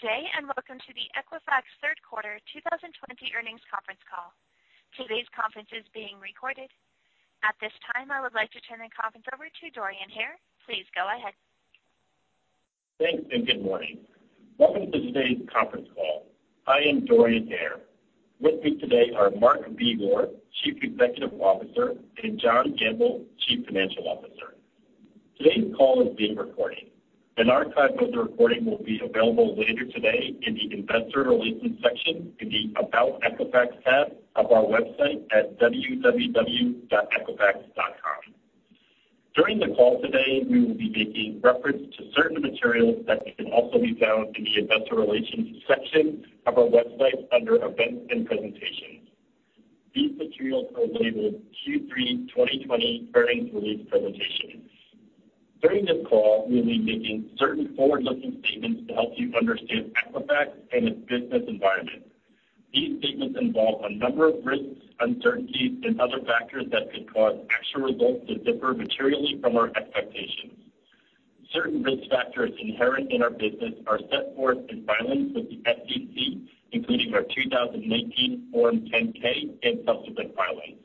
Good day and welcome to the Equifax Third Quarter 2020 Earnings Conference Call. Today's conference is being recorded. At this time, I would like to turn the conference over to Dorian Hare. Please go ahead. Thank you and good morning. Welcome to today's conference call. I am Dorian Hare. With me today are Mark Begor, Chief Executive Officer, and John Gamble, Chief Financial Officer. Today's call is being recorded. An archive of the recording will be available later today in the Investor Relations section in the About Equifax tab of our website at www.equifax.com. During the call today, we will be making reference to certain materials that can also be found in the Investor Relations section of our website under Events and Presentations. These materials are labeled Q3 2020 Earnings Release Presentations. During this call, we will be making certain forward-looking statements to help you understand Equifax and its business environment. These statements involve a number of risks, uncertainties, and other factors that could cause actual results to differ materially from our expectations. Certain risk factors inherent in our business are set forth in filings with the SEC, including our 2019 Form 10-K and subsequent filings.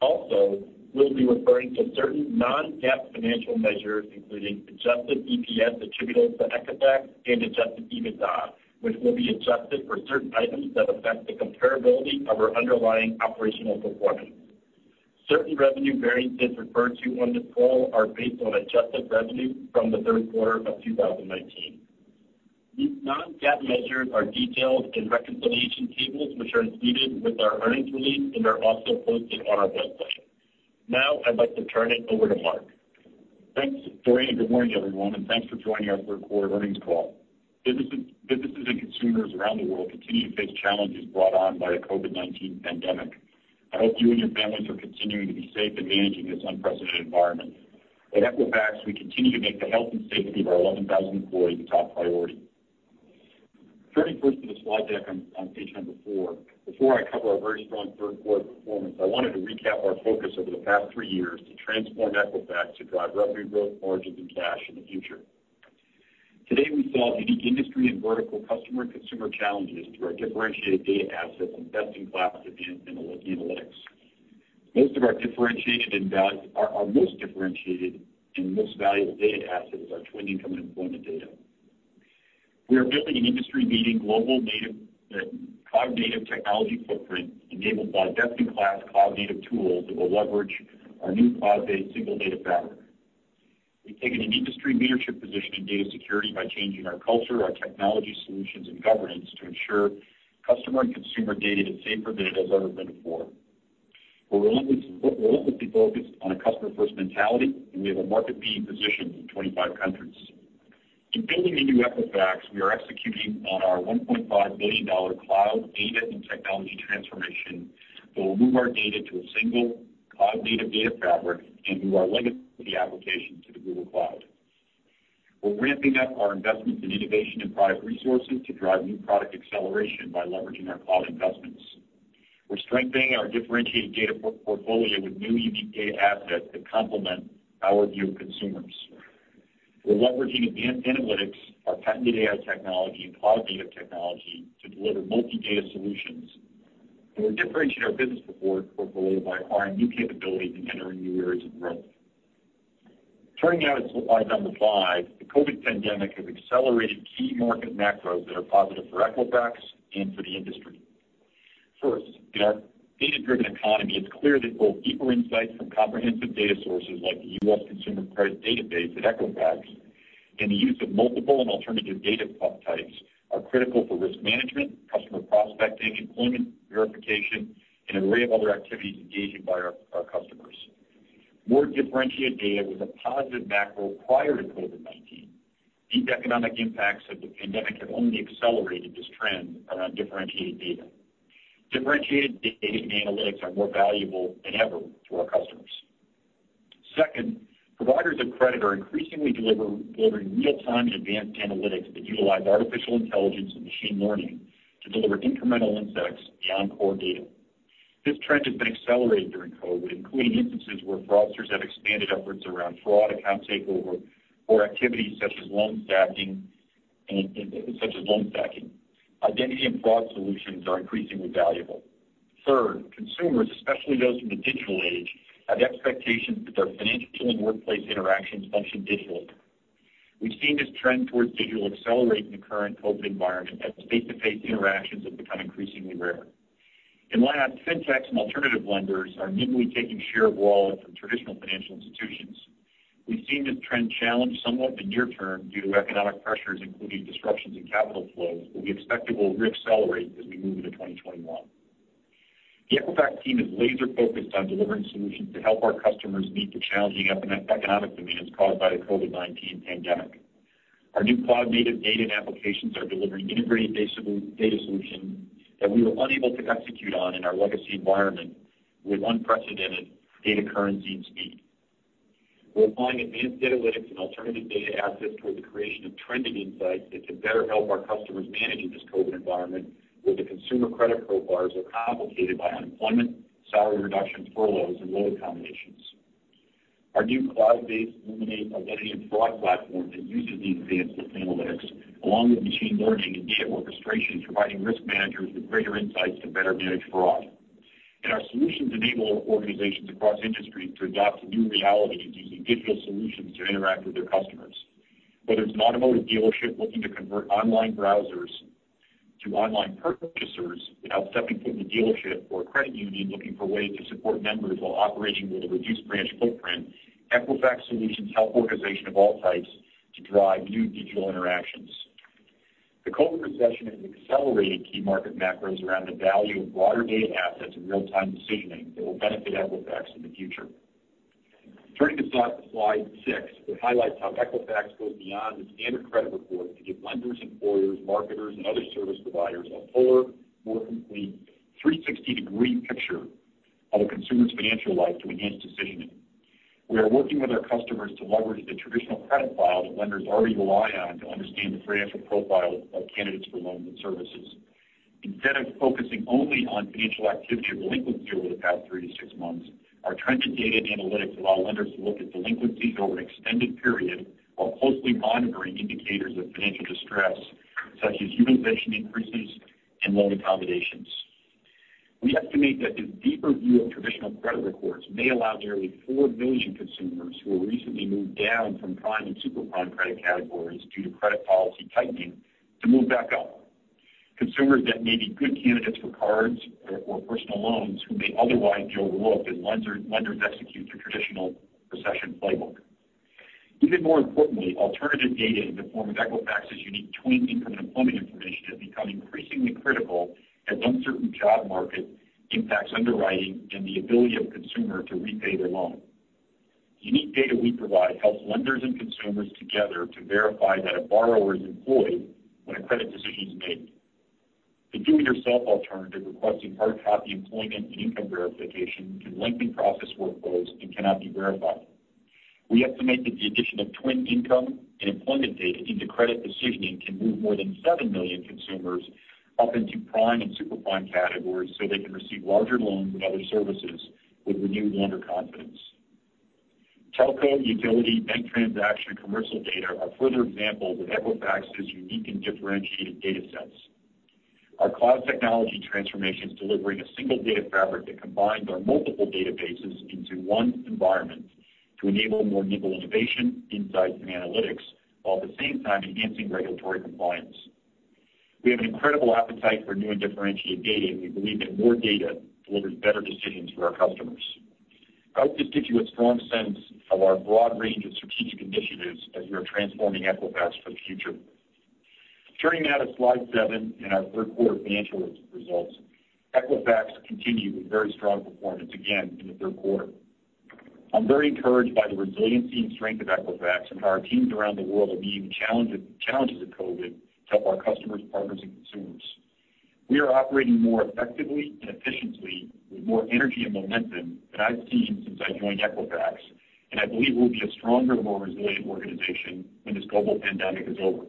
Also, we'll be referring to certain non-GAAP financial measures, including adjusted EPS attributable to Equifax and adjusted EBITDA, which will be adjusted for certain items that affect the comparability of our underlying operational performance. Certain revenue variances referred to on this call are based on adjusted revenue from the third quarter of 2019. These non-GAAP measures are detailed in reconciliation tables, which are included with our earnings release and are also posted on our website. Now, I'd like to turn it over to Mark. Thanks, Dorian. Good morning, everyone, and thanks for joining us for the quarter earnings call. Businesses and consumers around the world continue to face challenges brought on by the COVID-19 pandemic. I hope you and your families are continuing to be safe and managing this unprecedented environment. At Equifax, we continue to make the health and safety of our 11,000 employees a top priority. Turning first to the slide deck on page number four, before I cover our very strong third quarter performance, I wanted to recap our focus over the past three years to transform Equifax to drive revenue growth, margins, and cash in the future. Today, we solve unique industry and vertical customer and consumer challenges through our differentiated data assets and best-in-class advanced analytics. Most of our differentiated and our most differentiated and most valuable data assets are TWN income and employment data. We are building an industry-leading global native cloud-native technology footprint enabled by best-in-class cloud-native tools that will leverage our new cloud-based single data fabric. We have taken an industry leadership position in data security by changing our culture, our technology solutions, and governance to ensure customer and consumer data is safer than it has ever been before. We are relentlessly focused on a customer-first mentality, and we have a market leading position in 25 countries. In building a new Equifax, we are executing on our $1.5 billion cloud data and technology transformation that will move our data to a single cloud-native data fabric and move our legacy applications to the Google Cloud. We are ramping up our investments in innovation and product resources to drive new product acceleration by leveraging our cloud investments. We are strengthening our differentiated data portfolio with new unique data assets that complement our view of consumers. We're leveraging advanced analytics, our patented AI technology, and cloud-native technology to deliver multi-data solutions. We're differentiating our business portfolio by acquiring new capabilities and entering new areas of growth. Turning now to slide number 5, the COVID pandemic has accelerated key market macros that are positive for Equifax and for the industry. First, in our data-driven economy, it's clear that both deeper insights from comprehensive data sources like the U.S. consumer credit database at Equifax and the use of multiple and alternative data types are critical for risk management, customer prospecting, employment verification, and an array of other activities engaging by our customers. More differentiated data was a positive macro prior to COVID-19. Deep economic impacts of the pandemic have only accelerated this trend around differentiated data. Differentiated data and analytics are more valuable than ever to our customers. Second, providers of credit are increasingly delivering real-time and advanced analytics that utilize artificial intelligence and machine learning to deliver incremental insights beyond core data. This trend has been accelerated during COVID, including instances where fraudsters have expanded efforts around fraud, account takeover, or activities such as loan stacking. Identity and fraud solutions are increasingly valuable. Third, consumers, especially those from the digital age, have expectations that their financial and workplace interactions function digitally. We have seen this trend towards digital accelerate in the current COVID environment as face-to-face interactions have become increasingly rare. Last, fintechs and alternative lenders are newly taking share of wallet from traditional financial institutions. We have seen this trend challenge somewhat in the near term due to economic pressures, including disruptions in capital flows, but we expect it will re-accelerate as we move into 2021. The Equifax team is laser-focused on delivering solutions to help our customers meet the challenging economic demands caused by the COVID-19 pandemic. Our new cloud-native data and applications are delivering integrated data solutions that we were unable to execute on in our legacy environment with unprecedented data currency and speed. We're applying advanced analytics and alternative data assets towards the creation of trended insights that can better help our customers manage in this COVID environment where the consumer credit profiles are complicated by unemployment, salary reductions, furloughs, and loan accommodations. Our new cloud-based Luminate identity and fraud platform that uses these advances in analytics, along with machine learning and data orchestration, is providing risk managers with greater insights to better manage fraud. Our solutions enable organizations across industries to adopt new realities using digital solutions to interact with their customers. Whether it's an automotive dealership looking to convert online browsers to online purchasers without stepping foot in the dealership or a credit union looking for ways to support members while operating with a reduced branch footprint, Equifax solutions help organizations of all types to drive new digital interactions. The COVID recession has accelerated key market macros around the value of broader data assets and real-time decisioning that will benefit Equifax in the future. Turning this now to slide 6, it highlights how Equifax goes beyond the standard credit report to give lenders, employers, marketers, and other service providers a fuller, more complete 360-degree picture of a consumer's financial life to enhance decisioning. We are working with our customers to leverage the traditional credit file that lenders already rely on to understand the financial profiles of candidates for loans and services. Instead of focusing only on financial activity or delinquency over the past three to six months, our trended data and analytics allow lenders to look at delinquencies over an extended period while closely monitoring indicators of financial distress such as utilization increases and loan accommodations. We estimate that this deeper view of traditional credit reports may allow nearly 4 million consumers who have recently moved down from prime and super prime credit categories due to credit policy tightening to move back up. Consumers that may be good candidates for cards or personal loans who may otherwise be overlooked as lenders execute their traditional recession playbook. Even more importantly, alternative data in the form of Equifax's unique TWN income and employment information has become increasingly critical as uncertain job markets impact underwriting and the ability of a consumer to repay their loan. Unique data we provide helps lenders and consumers together to verify that a borrower is employed when a credit decision is made. The do-it-yourself alternative requesting hard copy employment and income verification can lengthen process workflows and cannot be verified. We estimate that the addition of TWN income and employment data into credit decisioning can move more than 7 million consumers up into prime and super prime categories so they can receive larger loans and other services with renewed lender confidence. Telco, utility, bank transaction, and commercial data are further examples of Equifax's unique and differentiated data sets. Our cloud technology transformation is delivering a single data fabric that combines our multiple databases into one environment to enable more nimble innovation, insights, and analytics while at the same time enhancing regulatory compliance. We have an incredible appetite for new and differentiated data, and we believe that more data delivers better decisions for our customers. I hope this gives you a strong sense of our broad range of strategic initiatives as we are transforming Equifax for the future. Turning now to slide seven and our third quarter financial results, Equifax continues with very strong performance again in the third quarter. I'm very encouraged by the resiliency and strength of Equifax and how our teams around the world are meeting the challenges of COVID to help our customers, partners, and consumers. We are operating more effectively and efficiently with more energy and momentum than I've seen since I joined Equifax, and I believe we'll be a stronger, more resilient organization when this global pandemic is over.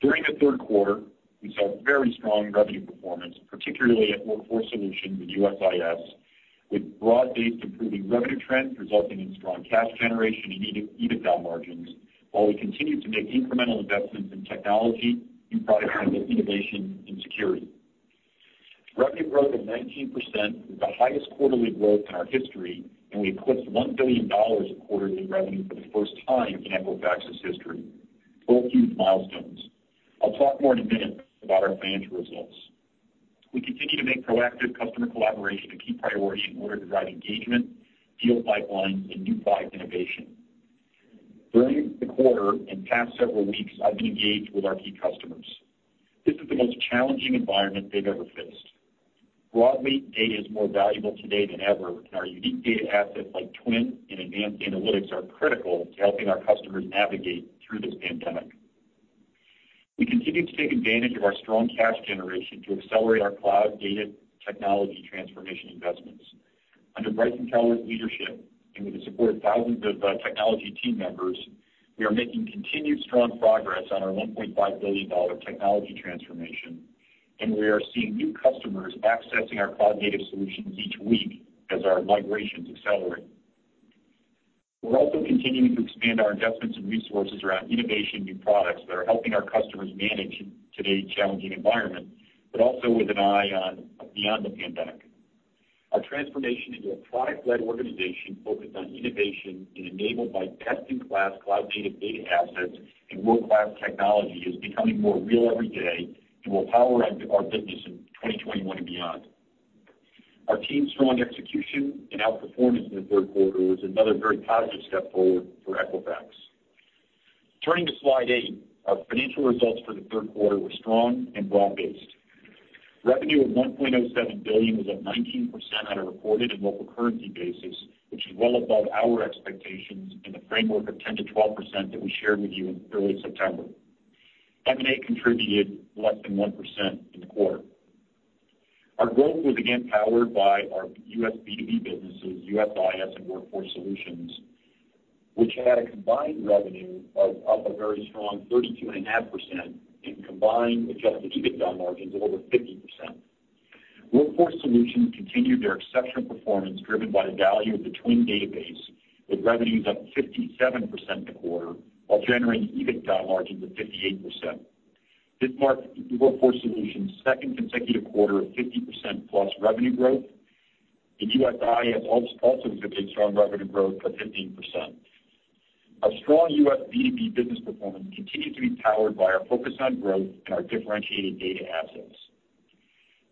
During the third quarter, we saw very strong revenue performance, particularly at Workforce Solutions and USIS, with broad-based improving revenue trends resulting in strong cash generation and EBITDA margins while we continue to make incremental investments in technology, new product innovation, and security. Revenue growth of 19% is the highest quarterly growth in our history, and we've clipped $1 billion a quarter in revenue for the first time in Equifax's history. Both huge milestones. I'll talk more in a minute about our financial results. We continue to make proactive customer collaboration a key priority in order to drive engagement, field pipelines, and new product innovation. During the quarter and past several weeks, I've been engaged with our key customers. This is the most challenging environment they've ever faced. Broadly, data is more valuable today than ever, and our unique data assets like TWN and advanced analytics are critical to helping our customers navigate through this pandemic. We continue to take advantage of our strong cash generation to accelerate our cloud data technology transformation investments. Under Bryson Koehler's leadership and with the support of thousands of technology team members, we are making continued strong progress on our $1.5 billion technology transformation, and we are seeing new customers accessing our cloud-native solutions each week as our migrations accelerate. We are also continuing to expand our investments and resources around innovation and new products that are helping our customers manage today's challenging environment, but also with an eye on beyond the pandemic. Our transformation into a product-led organization focused on innovation and enabled by best-in-class cloud-native data assets and world-class technology is becoming more real every day and will power our business in 2021 and beyond. Our team's strong execution and outperformance in the third quarter was another very positive step forward for Equifax. Turning to slide 8, our financial results for the third quarter were strong and broad-based. Revenue of $1.07 billion was up 19% on a reported and local currency basis, which is well above our expectations in the framework of 10%-12% that we shared with you in early September. M&A contributed less than 1% in the quarter. Our growth was again powered by our U.S. B2B businesses, USIS, and Workforce Solutions, which had a combined revenue of up a very strong 32.5% and combined adjusted EBITDA margins of over 50%. Workforce Solutions continued their exceptional performance driven by the value of the TWN database, with revenues up 57% in the quarter while generating EBITDA margins of 58%. This marked Workforce Solutions' second consecutive quarter of +50% revenue growth. The U.S. Information Solutions also exhibited strong revenue growth of 15%. Our strong U.S. B2B business performance continues to be powered by our focus on growth and our differentiated data assets.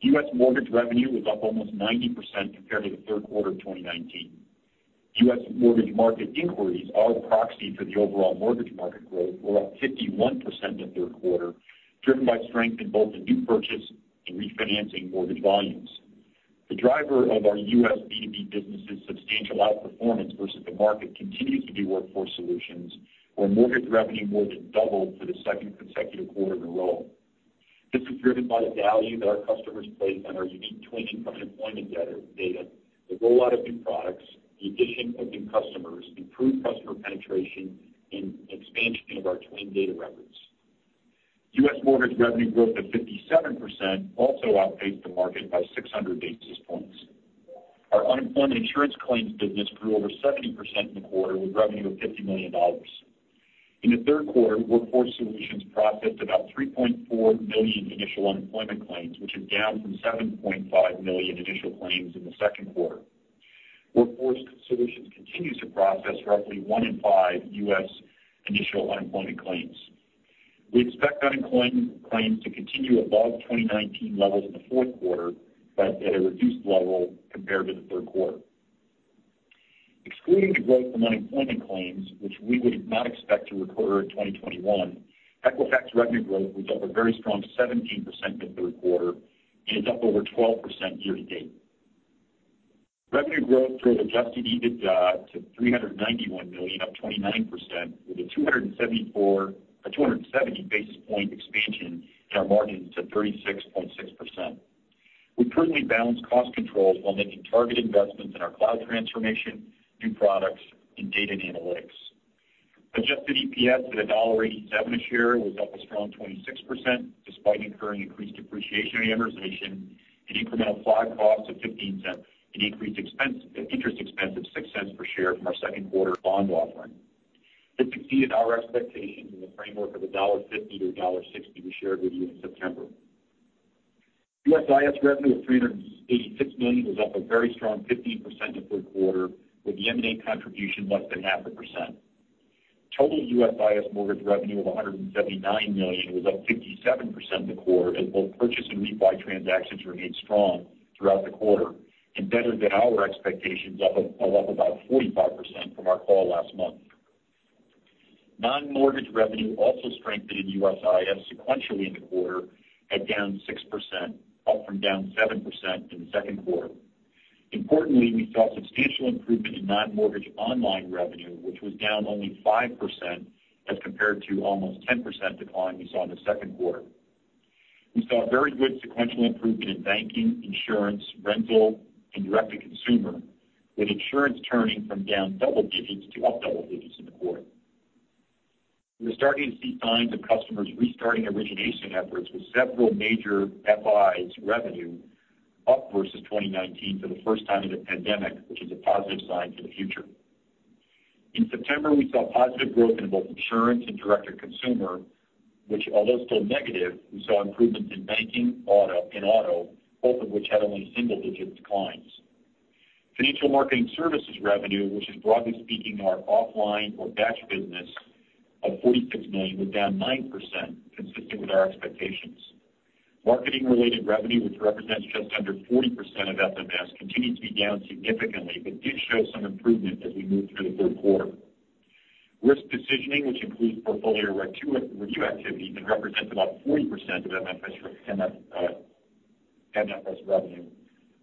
U.S. mortgage revenue was up almost 90% compared to the third quarter of 2019. U.S. mortgage market inquiries are a proxy for the overall mortgage market growth, were up 51% the third quarter, driven by strength in both the new purchase and refinancing mortgage volumes. The driver of our U.S. B2B business's substantial outperformance versus the market continues to be Workforce Solutions, where mortgage revenue more than doubled for the second consecutive quarter in a row. This is driven by the value that our customers place on our unique TWN income and employment data, the rollout of new products, the addition of new customers, improved customer penetration, and expansion of our TWN data records. U.S. mortgage revenue growth of 57% also outpaced the market by 600 basis points. Our unemployment insurance claims business grew over 70% in the quarter with revenue of $50 million. In the third quarter, Workforce Solutions processed about 3.4 million initial unemployment claims, which is down from 7.5 million initial claims in the second quarter. Workforce Solutions continues to process roughly one in five U.S. initial unemployment claims. We expect unemployment claims to continue above 2019 levels in the fourth quarter, but at a reduced level compared to the third quarter. Excluding the growth from unemployment claims, which we would not expect to recur in 2021, Equifax revenue growth was up a very strong 17% in the third quarter and is up over 12% year to date. Revenue growth drove adjusted EBITDA to $391 million, up 29%, with a 270 basis point expansion in our margins to 36.6%. We currently balance cost controls while making targeted investments in our cloud transformation, new products, and data and analytics. Adjusted EPS at $1.87 a share was up a strong 26% despite incurring increased depreciation amortization and incremental fraud costs of $0.15 and increased interest expense of $0.06 per share from our second quarter bond offering. This exceeded our expectations in the framework of $1.50-$1.60 we shared with you in September. IS revenue of $386 million was up a very strong 15% in the third quarter, with the M&A contribution less than 0.5%. Total U.S. IS mortgage revenue of $179 million was up 57% in the quarter as both purchase and rebuy transactions remained strong throughout the quarter and better than our expectations, up about 45% from our call last month. Non-mortgage revenue also strengthened in U.S. IS sequentially in the quarter, at down 6%, up from down 7% in the second quarter. Importantly, we saw substantial improvement in non-mortgage online revenue, which was down only 5% as compared to almost 10% decline we saw in the second quarter. We saw very good sequential improvement in banking, insurance, rental, and direct-to-consumer, with insurance turning from down double digits to up double digits in the quarter. We're starting to see signs of customers restarting origination efforts with several major FIs, revenue up versus 2019 for the first time in a pandemic, which is a positive sign for the future. In September, we saw positive growth in both insurance and direct-to-consumer, which, although still negative, we saw improvements in banking and auto, both of which had only single-digit declines. Financial marketing services revenue, which is broadly speaking our offline or batch business of $46 million, was down 9%, consistent with our expectations. Marketing-related revenue, which represents just under 40% of FMS, continued to be down significantly but did show some improvement as we moved through the third quarter. Risk decisioning, which includes portfolio review activity and represents about 40% of FMS revenue,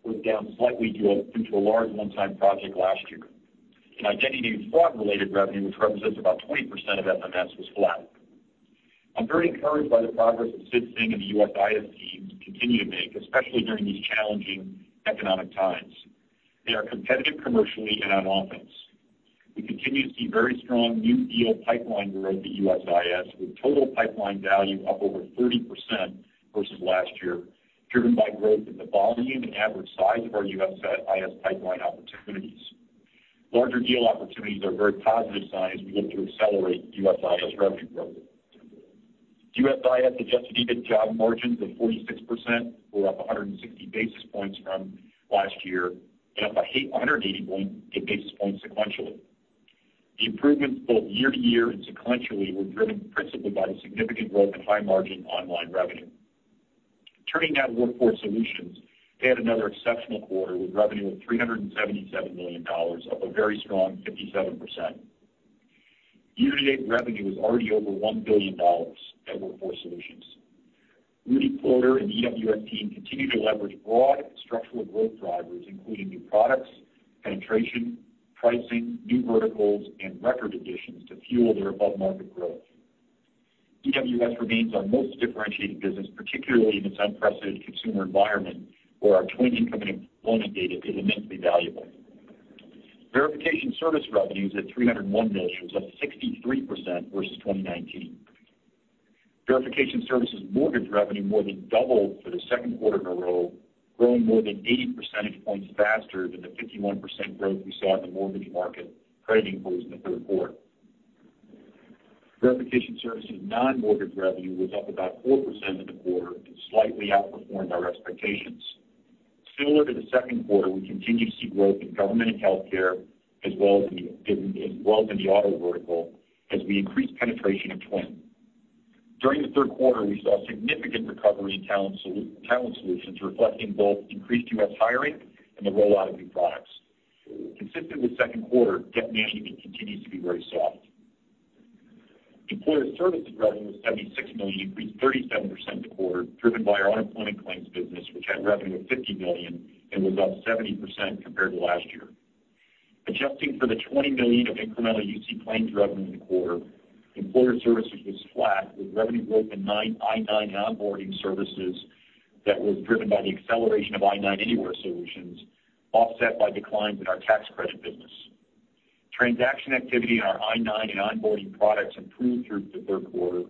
was down slightly due to a large one-time project last year. Identity and fraud-related revenue, which represents about 20% of FMS, was flat. I'm very encouraged by the progress that Sid Singh and the U.S. IS team continue to make, especially during these challenging economic times. They are competitive commercially and on offense. We continue to see very strong new deal pipeline growth at U.S. IS, with total pipeline value up over 30% versus last year, driven by growth in the volume and average size of our U.S. IS pipeline opportunities. Larger deal opportunities are a very positive sign as we look to accelerate U.S. IS revenue growth. U.S. IS adjusted EBITDA margins of 46% were up 160 basis points from last year and up 180 basis points sequentially. The improvements both year to year and sequentially were driven principally by the significant growth in high-margin online revenue. Turning now to Workforce Solutions, they had another exceptional quarter with revenue of $377 million, up a very strong 57%. Year-to-date revenue was already over $1 billion at Workforce Solutions. Rudy Ploder and the EWS team continue to leverage broad structural growth drivers, including new products, penetration, pricing, new verticals, and record additions to fuel their above-market growth. EWS remains our most differentiated business, particularly in this unprecedented consumer environment where our TWN income and employment data is immensely valuable. Verification service revenues at $301 million was up 63% versus 2019. Verification services mortgage revenue more than doubled for the second quarter in a row, growing more than 80 percentage points faster than the 51% growth we saw in the mortgage market credit inquiries in the third quarter. Verification services non-mortgage revenue was up about 4% in the quarter and slightly outperformed our expectations. Similar to the second quarter, we continue to see growth in government and healthcare as well as in the auto vertical as we increase penetration of TWN. During the third quarter, we saw significant recovery in Talent Solutions, reflecting both increased U.S. hiring and the rollout of new products. Consistent with second quarter, debt management continues to be very soft. Employer services revenue was $76 million, increased 37% in the quarter, driven by our unemployment claims business, which had revenue of $50 million and was up 70% compared to last year. Adjusting for the $20 million of incremental UC claims revenue in the quarter, employer services was flat, with revenue growth in I-9 onboarding services that was driven by the acceleration of I-9 Anywhere Solutions, offset by declines in our tax credit business. Transaction activity in our I-9 and onboarding products improved through the third quarter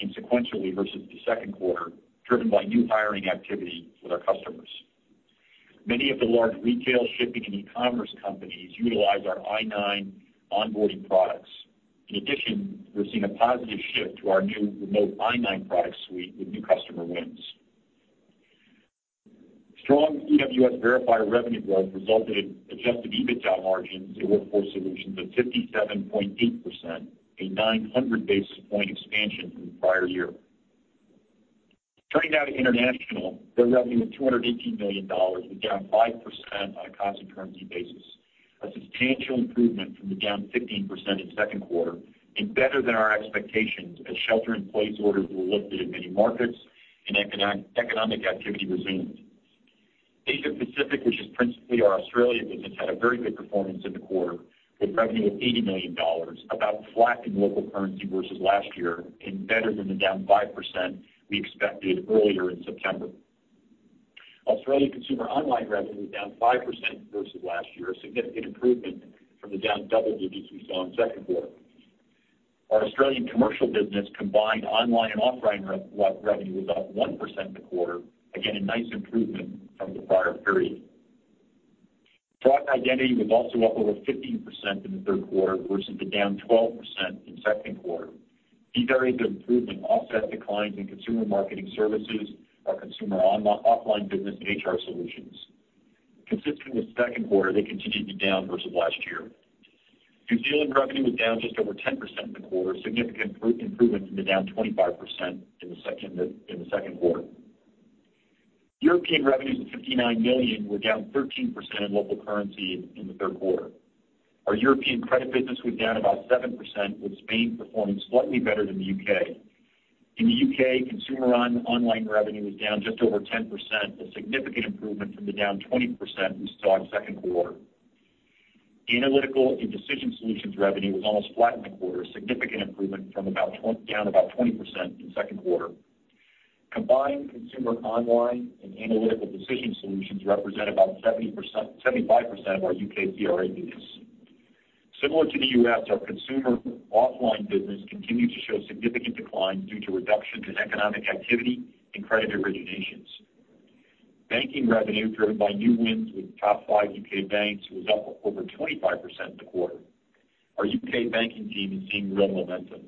and sequentially versus the second quarter, driven by new hiring activity with our customers. Many of the large retail, shipping, and e-commerce companies utilize our I-9 onboarding products. In addition, we're seeing a positive shift to our new remote I-9 product suite with new customer wins. Strong EWS verifier revenue growth resulted in adjusted EBITDA margins at Workforce Solutions of 57.8%, a 900 basis point expansion from the prior year. Turning now to international, their revenue of $218 million was down 5% on a cost and currency basis, a substantial improvement from the down 15% in the second quarter and better than our expectations as shelter-in-place orders were lifted in many markets and economic activity resumed. Asia Pacific, which is principally our Australia business, had a very good performance in the quarter with revenue of $80 million, about flat in local currency versus last year and better than the down 5% we expected earlier in September. Australia consumer online revenue was down 5% versus last year, a significant improvement from the down double digits we saw in the second quarter. Our Australian commercial business combined online and offline revenue was up 1% in the quarter, again a nice improvement from the prior period. Product identity was also up over 15% in the third quarter versus the down 12% in the second quarter. These areas of improvement offset declines in consumer marketing services, our consumer offline business, and HR solutions. Consistent with the second quarter, they continued to be down versus last year. New Zealand revenue was down just over 10% in the quarter, a significant improvement from the down 25% in the second quarter. European revenues of $59 million were down 13% in local currency in the third quarter. Our European credit business was down about 7%, with Spain performing slightly better than the U.K. In the U.K., consumer online revenue was down just over 10%, a significant improvement from the down 20% we saw in the second quarter. Analytical and decision solutions revenue was almost flat in the quarter, a significant improvement from down about 20% in the second quarter. Combined consumer online and analytical decision solutions represent about 75% of our U.K. CRA business. Similar to the U.S., our consumer offline business continued to show significant declines due to reductions in economic activity and credit originations. Banking revenue, driven by new wins with top five U.K. banks, was up over 25% in the quarter. Our U.K. banking team is seeing real momentum.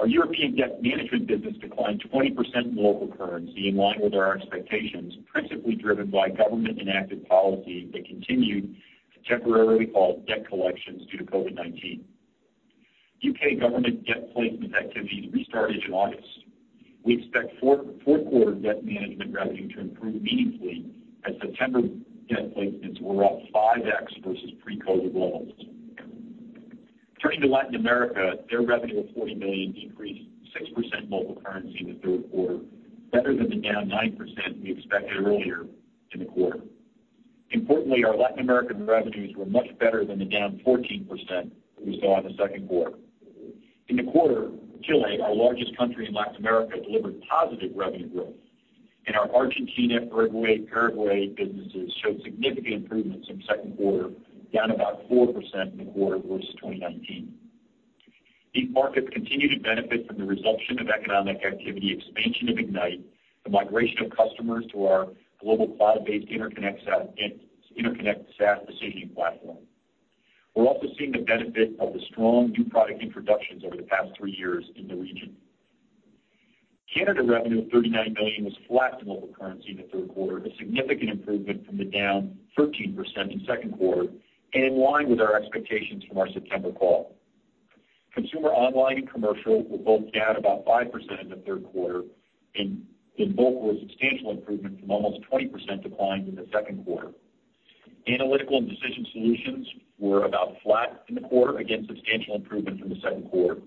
Our European debt management business declined 20% in local currency in line with our expectations, principally driven by government-enacted policies that continued to temporarily halt debt collections due to COVID-19. U.K. government debt placement activities restarted in August. We expect fourth quarter debt management revenue to improve meaningfully as September debt placements were up 5x versus pre-COVID levels. Turning to Latin America, their revenue of $40 million decreased 6% in local currency in the third quarter, better than the down 9% we expected earlier in the quarter. Importantly, our Latin American revenues were much better than the down 14% we saw in the second quarter. In the quarter, Chile, our largest country in Latin America, delivered positive revenue growth, and our Argentina, Uruguay, Paraguay businesses showed significant improvements in the second quarter, down about 4% in the quarter versus 2019. These markets continue to benefit from the resumption of economic activity, expansion of Ignite, the migration of customers to our global cloud-based Interconnect SaaS decisioning platform. We're also seeing the benefit of the strong new product introductions over the past three years in the region. Canada revenue of $39 million was flat in local currency in the third quarter, a significant improvement from the down 13% in the second quarter and in line with our expectations from our September call. Consumer online and commercial were both down about 5% in the third quarter, and both were a substantial improvement from almost 20% declines in the second quarter. Analytical and decision solutions were about flat in the quarter, again substantial improvement from the second quarter.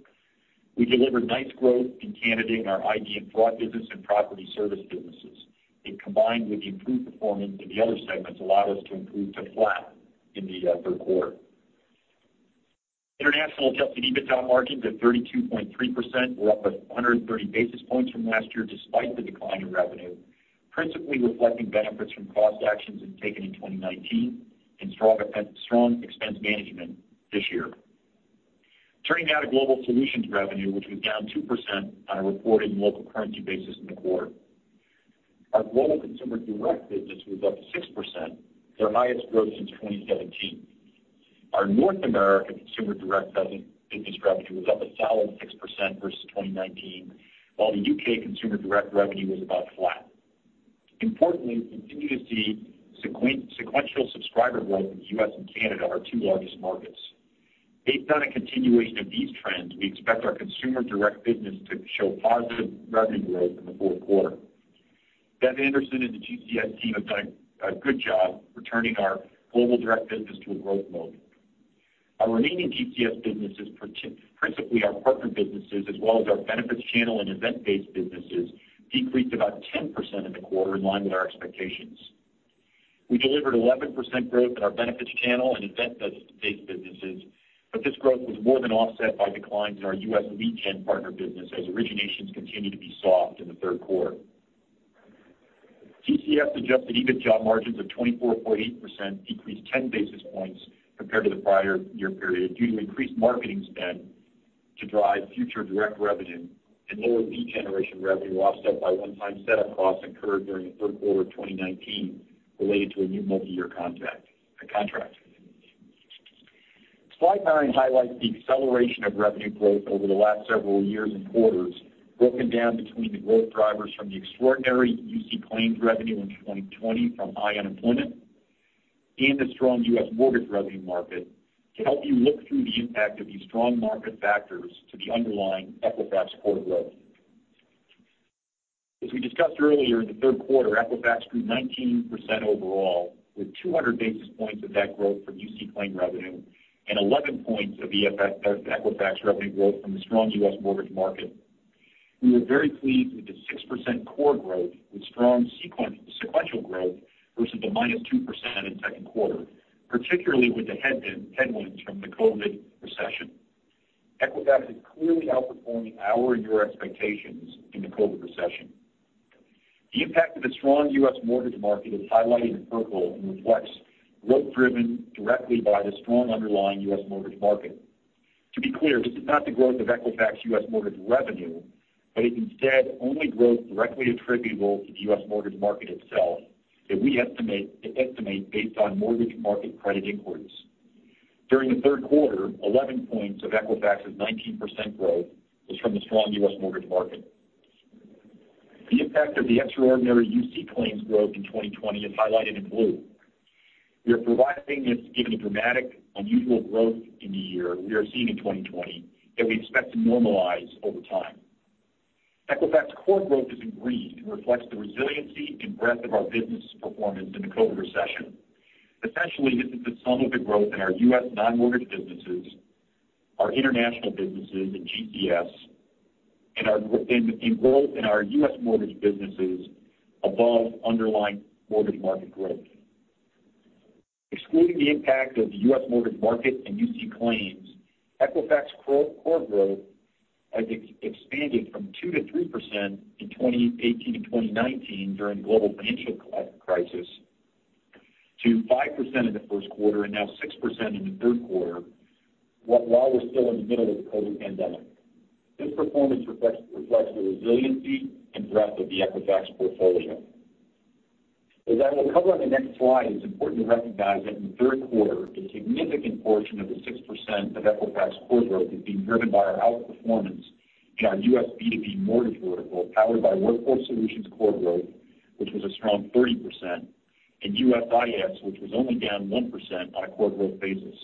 We delivered nice growth in Canada in our ID and fraud business and property service businesses, and combined with the improved performance in the other segments allowed us to improve to flat in the third quarter. International adjusted EBITDA margins at 32.3% were up 130 basis points from last year despite the decline in revenue, principally reflecting benefits from cost actions taken in 2019 and strong expense management this year. Turning now to global solutions revenue, which was down 2% on a reported local currency basis in the quarter. Our global consumer direct business was up 6%, their highest growth since 2017. Our North America consumer direct business revenue was up a solid 6% versus 2019, while the U.K. consumer direct revenue was about flat. Importantly, we continue to see sequential subscriber growth in the U.S. and Canada, our two largest markets. Based on a continuation of these trends, we expect our consumer direct business to show positive revenue growth in the fourth quarter. Bev Anderson and the GCS team have done a good job returning our global direct business to a growth mode. Our remaining GCS businesses, principally our partner businesses as well as our benefits channel and event-based businesses, decreased about 10% in the quarter in line with our expectations. We delivered 11% growth in our benefits channel and event-based businesses, but this growth was more than offset by declines in our U.S. lead gen partner business as originations continued to be soft in the third quarter. GCS adjusted EBITDA margins of 24.8% decreased 10 basis points compared to the prior year period due to increased marketing spend to drive future direct revenue and lower lead generation revenue offset by one-time setup costs incurred during the third quarter of 2019 related to a new multi-year contract. Slide 9 highlights the acceleration of revenue growth over the last several years and quarters, broken down between the growth drivers from the extraordinary UC claims revenue in 2020 from high unemployment and the strong U.S. mortgage revenue market to help you look through the impact of these strong market factors to the underlying Equifax core growth. As we discussed earlier in the third quarter, Equifax grew 19% overall with 200 basis points of that growth from UC claim revenue and 11 points of Equifax revenue growth from the strong U.S. mortgage market. We were very pleased with the 6% core growth with strong sequential growth versus the minus 2% in the second quarter, particularly with the headwinds from the COVID recession. Equifax is clearly outperforming our and your expectations in the COVID recession. The impact of the strong U.S. mortgage market is highlighted in purple and reflects growth driven directly by the strong underlying U.S. mortgage market. To be clear, this is not the growth of Equifax U.S. mortgage revenue, but it's instead only growth directly attributable to the U.S. mortgage market itself that we estimate based on mortgage market credit inquiries. During the third quarter, 11 points of Equifax's 19% growth was from the strong U.S. mortgage market. The impact of the extraordinary UC claims growth in 2020 is highlighted in blue. We are providing this given the dramatic, unusual growth in the year we are seeing in 2020 that we expect to normalize over time. Equifax core growth is in green and reflects the resiliency and breadth of our business performance in the COVID recession. Essentially, this is the sum of the growth in our U.S. non-mortgage businesses, our international businesses in GCS, and our growth in our U.S. mortgage businesses above underlying mortgage market growth. Excluding the impact of the U.S. mortgage market and UC claims, Equifax core growth has expanded from 2%-3% in 2018 and 2019 during the global financial crisis to 5% in the first quarter and now 6% in the third quarter while we're still in the middle of the COVID pandemic. This performance reflects the resiliency and breadth of the Equifax portfolio. As I will cover on the next slide, it's important to recognize that in the third quarter, a significant portion of the 6% of Equifax core growth is being driven by our outperformance in our U.S. B2B mortgage vertical powered by Workforce Solutions core growth, which was a strong 30%, and USIS, which was only down 1% on a core growth basis.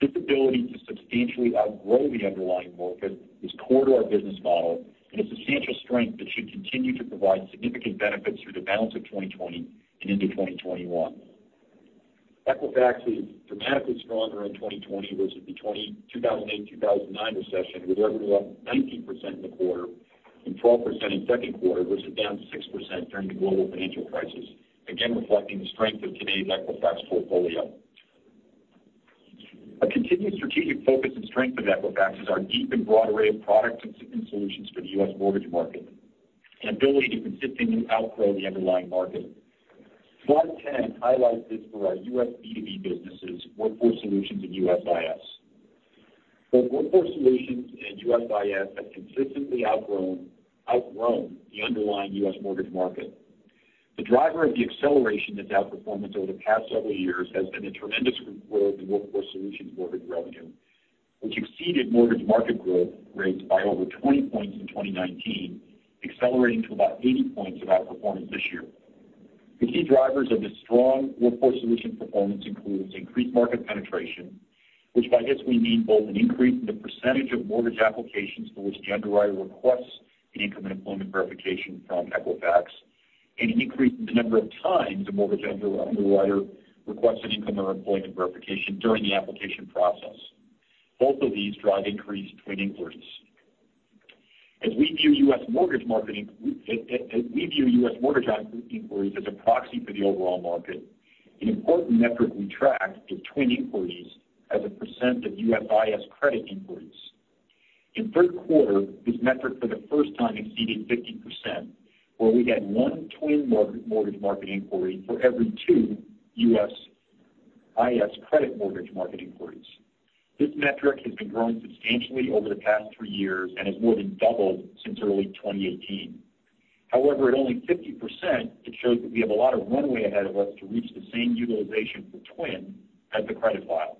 This ability to substantially outgrow the underlying market is core to our business model and a substantial strength that should continue to provide significant benefits through the balance of 2020 and into 2021. Equifax is dramatically stronger in 2020 versus the 2008-2009 recession, with revenue up 19% in the quarter and 12% in the second quarter versus down 6% during the global financial crisis, again reflecting the strength of today's Equifax portfolio. A continued strategic focus and strength of Equifax is our deep and broad array of products and solutions for the U.S. mortgage market and ability to consistently outgrow the underlying market. Slide 10 highlights this for our U.S. B2B businesses, Workforce Solutions, and USIS. Both Workforce Solutions and USIS have consistently outgrown the underlying U.S. mortgage market. The driver of the acceleration in outperformance over the past several years has been the tremendous growth in Workforce Solutions mortgage revenue, which exceeded mortgage market growth rates by over 20 points in 2019, accelerating to about 80 points of outperformance this year. The key drivers of this strong Workforce Solutions performance include increased market penetration, which by this we mean both an increase in the percentage of mortgage applications for which the underwriter requests an income and employment verification from Equifax and an increase in the number of times a mortgage underwriter requests an income or employment verification during the application process. Both of these drive increased TWN inquiries. As we view U.S. mortgage market inquiries as a proxy for the overall market, an important metric we track is TWN inquiries as a percent of USIS credit inquiries. In the third quarter, this metric for the first time exceeded 50%, where we had one TWN mortgage market inquiry for every two USIS credit mortgage market inquiries. This metric has been growing substantially over the past three years and has more than doubled since early 2018. However, at only 50%, it shows that we have a lot of runway ahead of us to reach the same utilization for TWN as the credit file.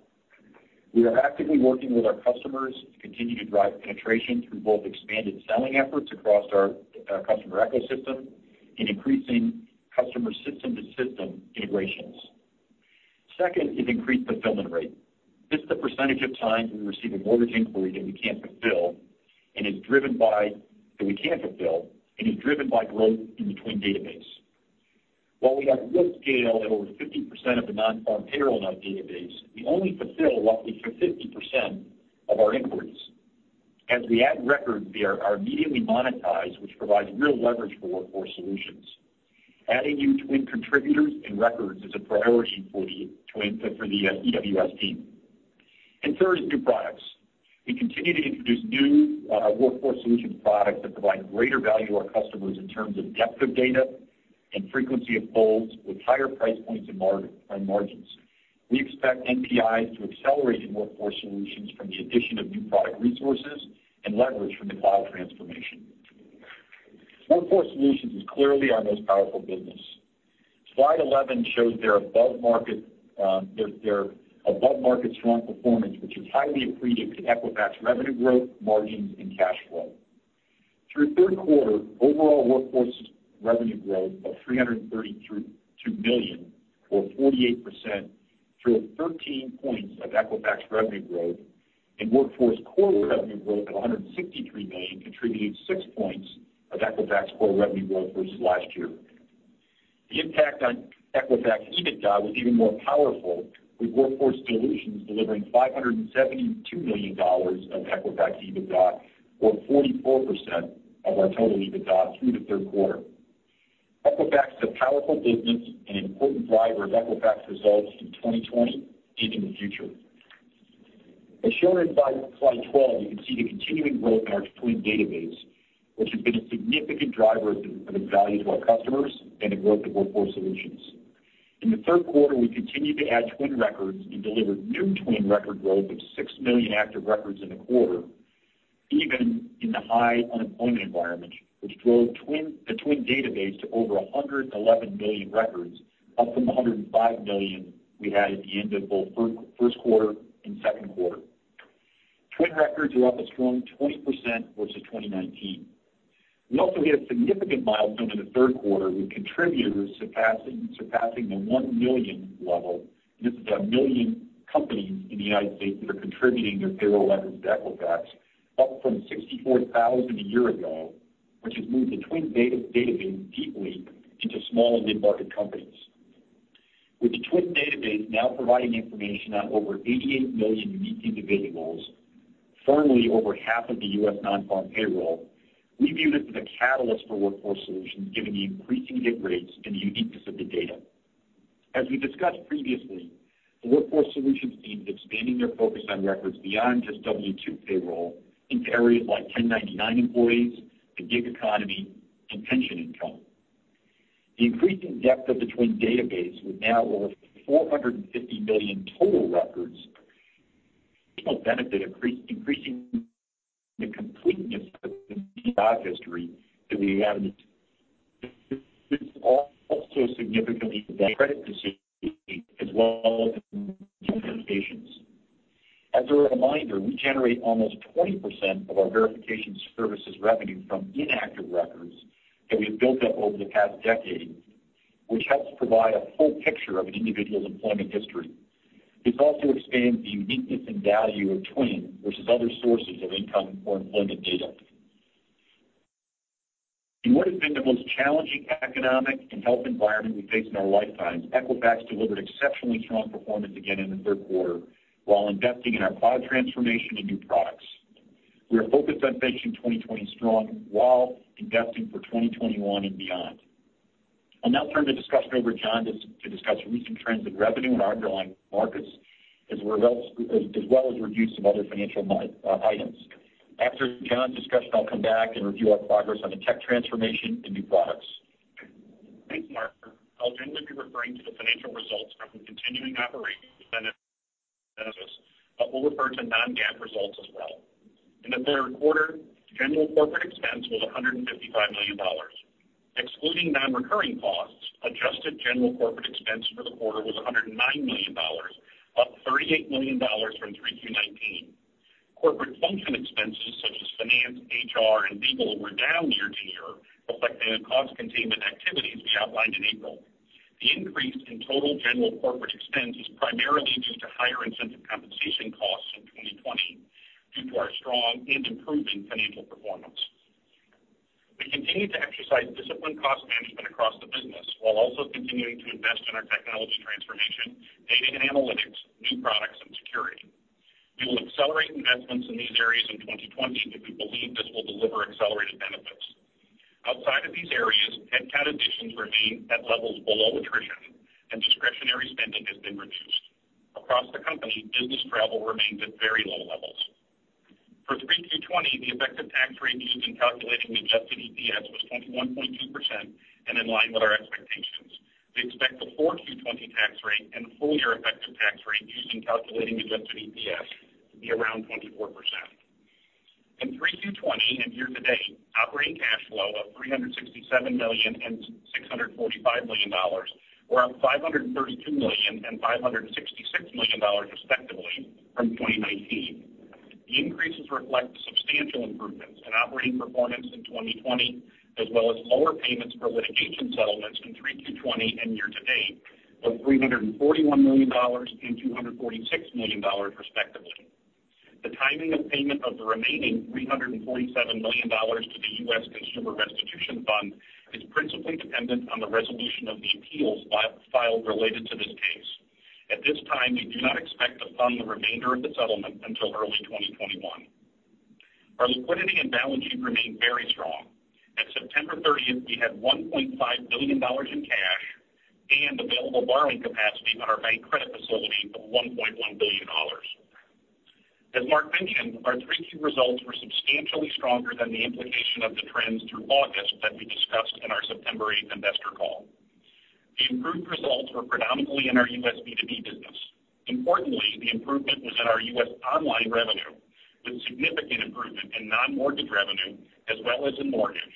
We are actively working with our customers to continue to drive penetration through both expanded selling efforts across our customer ecosystem and increasing customer system-to-system integrations. Second is increased fulfillment rate. This is the percentage of times we receive a mortgage inquiry that we can't fulfill and is driven by growth in the TWN database. While we have real scale at over 50% of the non-farm payroll in our database, we only fulfill roughly 50% of our inquiries. As we add records, they are immediately monetized, which provides real leverage for Workforce Solutions. Adding new TWN contributors and records is a priority for the EWS team. Third is new products. We continue to introduce new Workforce Solutions products that provide greater value to our customers in terms of depth of data and frequency of calls with higher price points and margins. We expect NPIs to accelerate in Workforce Solutions from the addition of new product resources and leverage from the cloud transformation. Workforce Solutions is clearly our most powerful business. Slide 11 shows their above-market strong performance, which is highly attributed to Equifax revenue growth, margins, and cash flow. Through third quarter, overall Workforce revenue growth of $332 million, or 48%, drove 13 points of Equifax revenue growth, and Workforce core revenue growth of $163 million contributed 6 points of Equifax core revenue growth versus last year. The impact on Equifax EBITDA was even more powerful, with Workforce Solutions delivering $572 million of Equifax EBITDA, or 44% of our total EBITDA through the third quarter. Equifax is a powerful business and an important driver of Equifax results in 2020 and in the future. As shown in slide 12, you can see the continuing growth in our TWN database, which has been a significant driver of the value to our customers and the growth of Workforce Solutions. In the third quarter, we continued to add TWN records and delivered new TWN record growth of 6 million active records in the quarter, even in the high unemployment environment, which drove the TWN database to over 111 million records, up from the 105 million we had at the end of both first quarter and second quarter. TWN records are up a strong 20% versus 2019. We also hit a significant milestone in the third quarter with contributors surpassing the 1 million level, and this is a million companies in the United States that are contributing their payroll records to Equifax, up from 64,000 a year ago, which has moved the TWN database deeply into small and mid-market companies. With the TWN database now providing information on over 88 million unique individuals, firmly over half of the U.S. non-farm payroll, we view this as a catalyst for Workforce Solutions, given the increasing hit rates and the uniqueness of the data. As we discussed previously, the Workforce Solutions team is expanding their focus on records beyond just W-2 payroll into areas like 1099 employees, the gig economy, and pension income. The increasing depth of the TWN win database with now over 450 million total records adds additional benefit, increasing the completeness of the job history that we have in the system. This is also significantly improving credit decisions as well as verifications. As a reminder, we generate almost 20% of our verification services revenue from inactive records that we have built up over the past decade, which helps provide a full picture of an individual's employment history. This also expands the uniqueness and value of TWN versus other sources of income or employment data. In what has been the most challenging economic and health environment we've faced in our lifetimes, Equifax delivered exceptionally strong performance again in the third quarter while investing in our cloud transformation and new products. We are focused on finishing 2020 strong while investing for 2021 and beyond. I'll now turn the discussion over to John to discuss recent trends in revenue and underlying markets as well as reviews of other financial items. After John's discussion, I'll come back and review our progress on the tech transformation and new products. Thanks, Mark. I'll generally be referring to the financial results from the continuing operations, but we'll refer to non-GAAP results as well. In the third quarter, general corporate expense was $155 million. Excluding non-recurring costs, adjusted general corporate expense for the quarter was $109 million, up $38 million from 3Q 2019. Corporate function expenses such as finance, HR, and legal were down year to year, reflecting the cost containment activities we outlined in April. The increase in total general corporate expense is primarily due to higher incentive compensation costs in 2020 due to our strong and improving financial performance. We continue to exercise discipline cost management across the business while also continuing to invest in our technology transformation, data and analytics, new products, and security. We will accelerate investments in these areas in 2020 if we believe this will deliver accelerated benefits. Outside of these areas, headcount additions remain at levels below attrition, and discretionary spending has been reduced. Across the company, business travel remains at very low levels. For 3Q 2020, the effective tax rate used in calculating the adjusted EPS was 21.2% and in line with our expectations. We expect the 4Q 2020 tax rate and the full year effective tax rate used in calculating adjusted EPS to be around 24%. In 3Q 2020 and year to date, operating cash flow of $367 million and $645 million were up $532 million and $566 million respectively from 2019. The increases reflect substantial improvements in operating performance in 2020, as well as lower payments for litigation settlements in 3Q 2020 and year to date of $341 million and $246 million respectively. The timing of payment of the remaining $347 million to the U.S. Consumer Restitution Fund is principally dependent on the resolution of the appeals filed related to this case. At this time, we do not expect to fund the remainder of the settlement until early 2021. Our liquidity and balance sheet remain very strong. At September 30th, we had $1.5 billion in cash and available borrowing capacity on our bank credit facility of $1.1 billion. As Mark mentioned, our 3Q results were substantially stronger than the implication of the trends through August that we discussed in our September 8th Investor Call. The improved results were predominantly in our U.S. B2B business. Importantly, the improvement was in our U.S. online revenue, with significant improvement in non-mortgage revenue as well as in mortgage.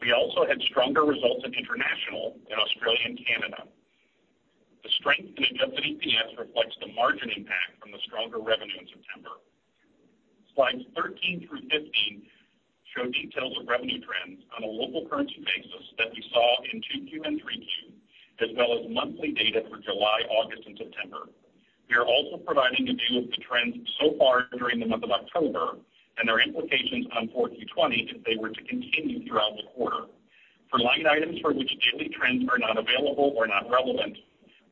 We also had stronger results in international in Australia and Canada. The strength in adjusted EPS reflects the margin impact from the stronger revenue in September. Slides 13 through 15 show details of revenue trends on a local currency basis that we saw in 2Q and 3Q, as well as monthly data for July, August, and September. We are also providing a view of the trends so far during the month of October and their implications on 4Q 2020 if they were to continue throughout the quarter. For line items for which daily trends are not available or not relevant,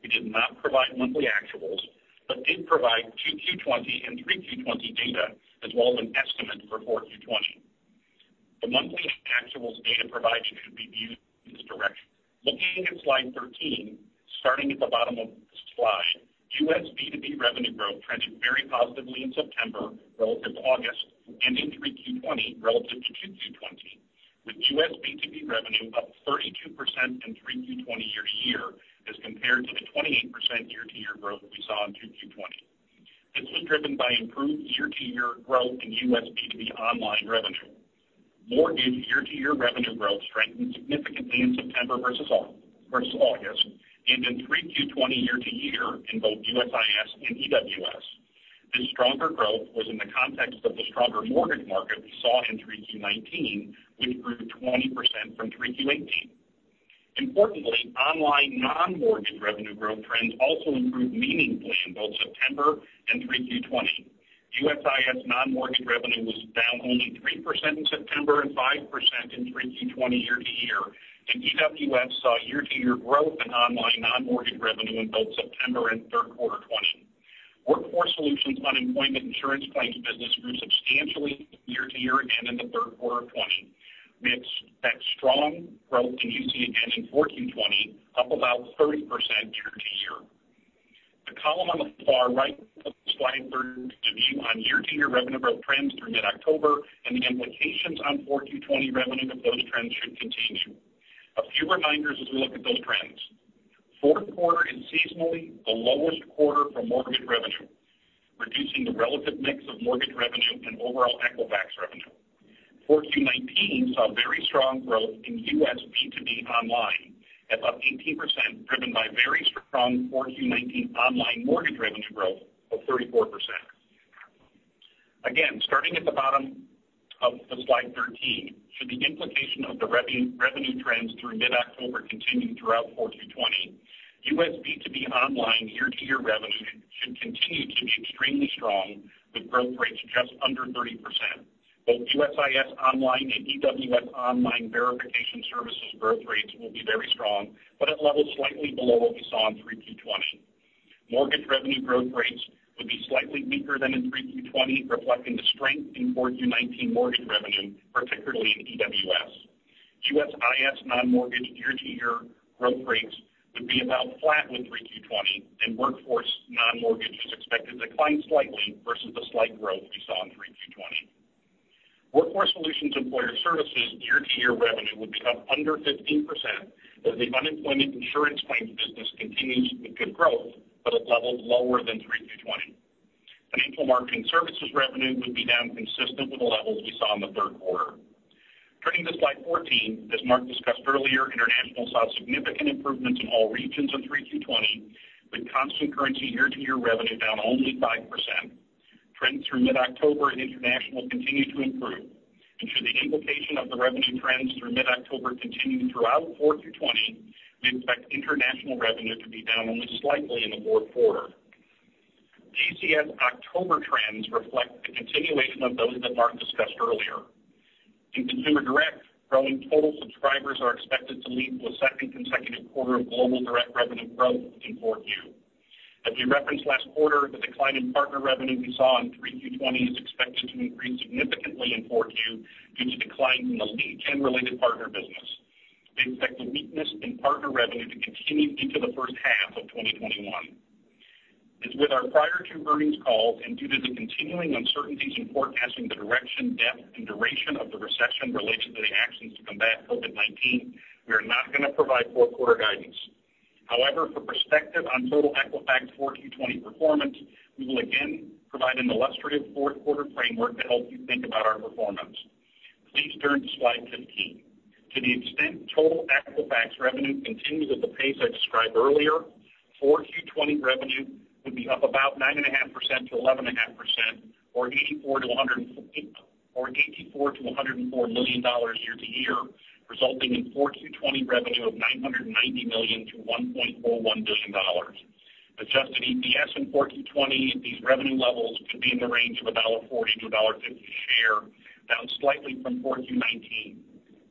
we did not provide monthly actuals, but did provide 2Q 2020 and 3Q 2020 data as well as an estimate for 4Q 2020. The monthly actuals data provided should be viewed in this direction. Looking at slide 13, starting at the bottom of the slide, U.S. B2B revenue growth trended very positively in September relative to August and in 3Q 2020 relative to 2Q 2020, with U.S. B2B revenue up 32% in 3Q 2020 year to year as compared to the 28% year to year growth we saw in 2Q 2020. This was driven by improved year to year growth in U.S. B2B online revenue. Mortgage year to year revenue growth strengthened significantly in September versus August and in 3Q 2020 year to year in both USIS and EWS. This stronger growth was in the context of the stronger mortgage market we saw in 3Q 2019, which grew 20% from 3Q 2018. Importantly, online non-mortgage revenue growth trends also improved meaningfully in both September and 3Q 2020. USIS non-mortgage revenue was down only 3% in September and 5% in 3Q 2020 year to year, and EWS saw year to year growth in online non-mortgage revenue in both September and third quarter 2020. Workforce Solutions on employment insurance claims business grew substantially year to year again in the third quarter of 2020. We expect strong growth in UC again in 4Q 2020, up about 30% year to year. The column on the far right of the slide 30 is a view on year-to-year revenue growth trends through mid-October and the implications on 4Q 2020 revenue if those trends should continue. A few reminders as we look at those trends. Fourth quarter is seasonally the lowest quarter for mortgage revenue, reducing the relative mix of mortgage revenue and overall Equifax revenue. 4Q 2019 saw very strong growth in U.S. B2B online at up 18%, driven by very strong 4Q 2019 online mortgage revenue growth of 34%. Again, starting at the bottom of the slide 13, should the implication of the revenue trends through mid-October continue throughout 4Q 2020, U.S. B2B online year-to-year revenue should continue to be extremely strong with growth rates just under 30%. Both USIS online and EWS online verification services growth rates will be very strong, but at levels slightly below what we saw in 3Q 2020. Mortgage revenue growth rates would be slightly weaker than in 3Q 2020, reflecting the strength in 4Q 2019 mortgage revenue, particularly in EWS. USIS non-mortgage year to year growth rates would be about flat with 3Q 2020, and workforce non-mortgage is expected to climb slightly versus the slight growth we saw in 3Q 2020. Workforce Solutions employer services year to year revenue would be up under 15% as the unemployment insurance claims business continues with good growth, but at levels lower than 3Q 2020. Financial marketing services revenue would be down consistent with the levels we saw in the third quarter. Turning to slide 14, as Mark discussed earlier, international saw significant improvements in all regions in 3Q 2020, with constant currency year to year revenue down only 5%. Trends through mid-October in international continue to improve. Should the implication of the revenue trends through mid-October continue throughout Q4 2020, we expect international revenue to be down only slightly in the fourth quarter. GCS October trends reflect the continuation of those that Mark discussed earlier. In Consumer Direct, growing total subscribers are expected to lead to a second consecutive quarter of global direct revenue growth in Q4. As we referenced last quarter, the decline in partner revenue we saw in Q3 2020 is expected to increase significantly in Q4 due to declines in the lead gen-related partner business. We expect the weakness in partner revenue to continue into the first half of 2021. As with our prior two earnings calls and due to the continuing uncertainties in forecasting the direction, depth, and duration of the recession related to the actions to combat COVID-19, we are not going to provide fourth quarter guidance. However, for perspective on total Equifax 4Q 2020 performance, we will again provide an illustrative four-quarter framework to help you think about our performance. Please turn to slide 15. To the extent total Equifax revenue continues at the pace I described earlier, 4Q 2020 revenue would be up about 9.5%-11.5%, or $84 million-$104 million year to year, resulting in 4Q 2020 revenue of $990 million-$1.41 billion. Adjusted EPS in 4Q 2020 at these revenue levels could be in the range of $1.40-$1.50 a share, down slightly from 4Q 2019.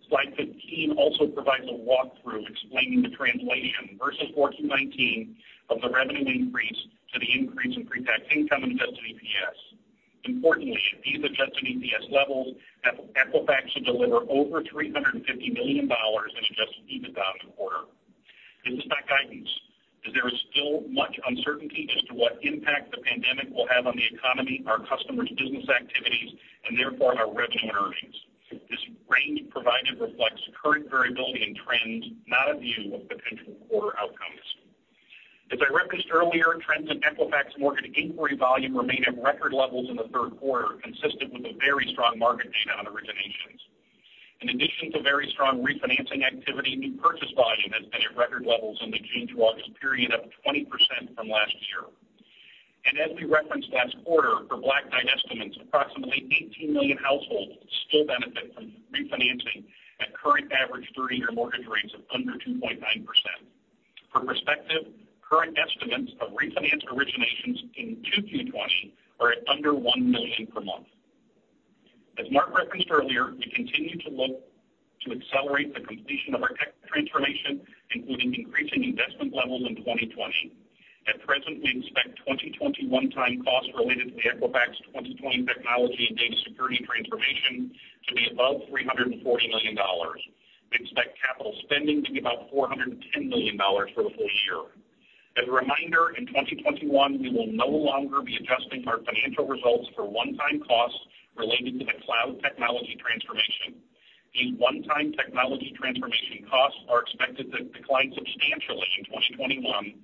Slide 15 also provides a walkthrough explaining the translation versus 4Q 2019 of the revenue increase to the increase in pre-tax income and adjusted EPS. Importantly, at these adjusted EPS levels, Equifax should deliver over $350 million in adjusted EBITDA in the quarter. This is not guidance, as there is still much uncertainty as to what impact the pandemic will have on the economy, our customers' business activities, and therefore our revenue and earnings. This range provided reflects current variability and trends, not a view of potential quarter outcomes. As I referenced earlier, trends in Equifax mortgage inquiry volume remain at record levels in the third quarter, consistent with the very strong market data on originations. In addition to very strong refinancing activity, new purchase volume has been at record levels in the June to August period, up 20% from last year. As we referenced last quarter, for Black Tide estimates, approximately 18 million households still benefit from refinancing at current average 30-year mortgage rates of under 2.9%. For perspective, current estimates of refinanced originations in 2Q 2020 are at under 1 million per month. As Mark referenced earlier, we continue to look to accelerate the completion of our tech transformation, including increasing investment levels in 2020. At present, we expect 2021 time costs related to the Equifax 2020 technology and data security transformation to be above $340 million. We expect capital spending to be about $410 million for the full year. As a reminder, in 2021, we will no longer be adjusting our financial results for one-time costs related to the cloud technology transformation. These one-time technology transformation costs are expected to decline substantially in 2021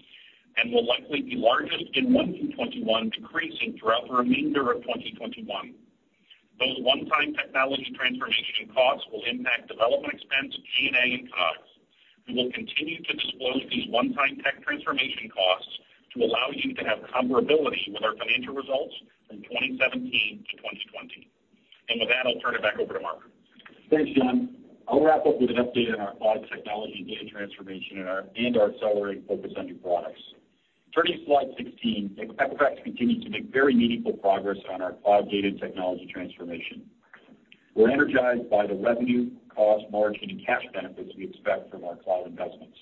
and will likely be largest in 1Q 2021, decreasing throughout the remainder of 2021. Those one-time technology transformation costs will impact development expense, G&A, and COGS. We will continue to disclose these one-time tech transformation costs to allow you to have comparability with our financial results from 2017 to 2020. With that, I'll turn it back over to Mark. Thanks, John. I'll wrap up with an update on our cloud technology data transformation and our accelerated focus on new products. Turning to slide 16, Equifax continues to make very meaningful progress on our cloud data and technology transformation. We're energized by the revenue, cost, margin, and cash benefits we expect from our cloud investments.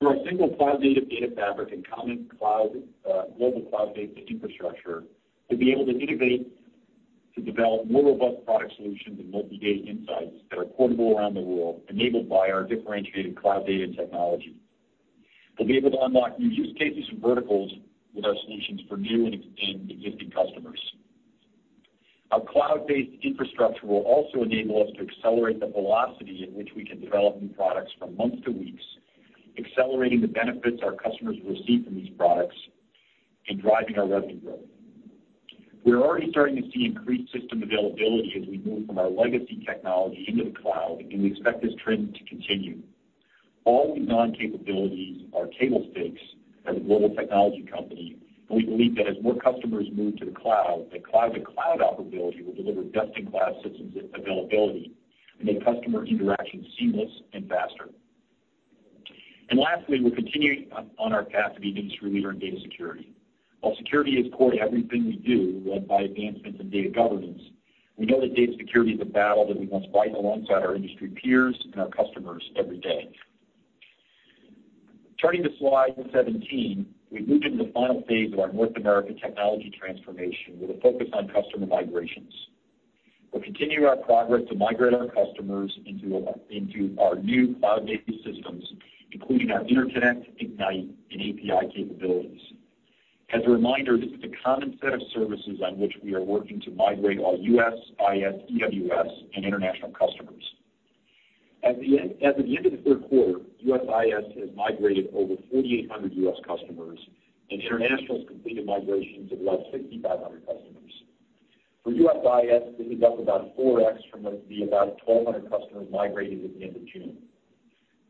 Through our single cloud-native data fabric and common global cloud data infrastructure, we'll be able to innovate to develop more robust product solutions and multi-data insights that are portable around the world, enabled by our differentiated cloud data and technology. We'll be able to unlock new use cases and verticals with our solutions for new and existing customers. Our cloud-based infrastructure will also enable us to accelerate the velocity at which we can develop new products from months to weeks, accelerating the benefits our customers will receive from these products and driving our revenue growth. We are already starting to see increased system availability as we move from our legacy technology into the cloud, and we expect this trend to continue. All these non-capabilities are table stakes as a global technology company, and we believe that as more customers move to the cloud, the cloud-to-cloud operability will deliver best-in-class systems availability and make customer interaction seamless and faster. Lastly, we are continuing on our path to be an industry leader in data security. While security is core to everything we do, led by advancements in data governance, we know that data security is a battle that we must fight alongside our industry peers and our customers every day. Turning to slide 17, we've moved into the final phase of our North America technology transformation with a focus on customer migrations. We'll continue our progress to migrate our customers into our new cloud-based systems, including our Interconnect, Ignite, and API capabilities. As a reminder, this is a common set of services on which we are working to migrate our USIS, EWS, and international customers. At the end of the third quarter, USIS has migrated over 4,800 U.S. customers, and international has completed migrations of about 6,500 customers. For USIS, this is up about 4x from the about 1,200 customers migrated at the end of June.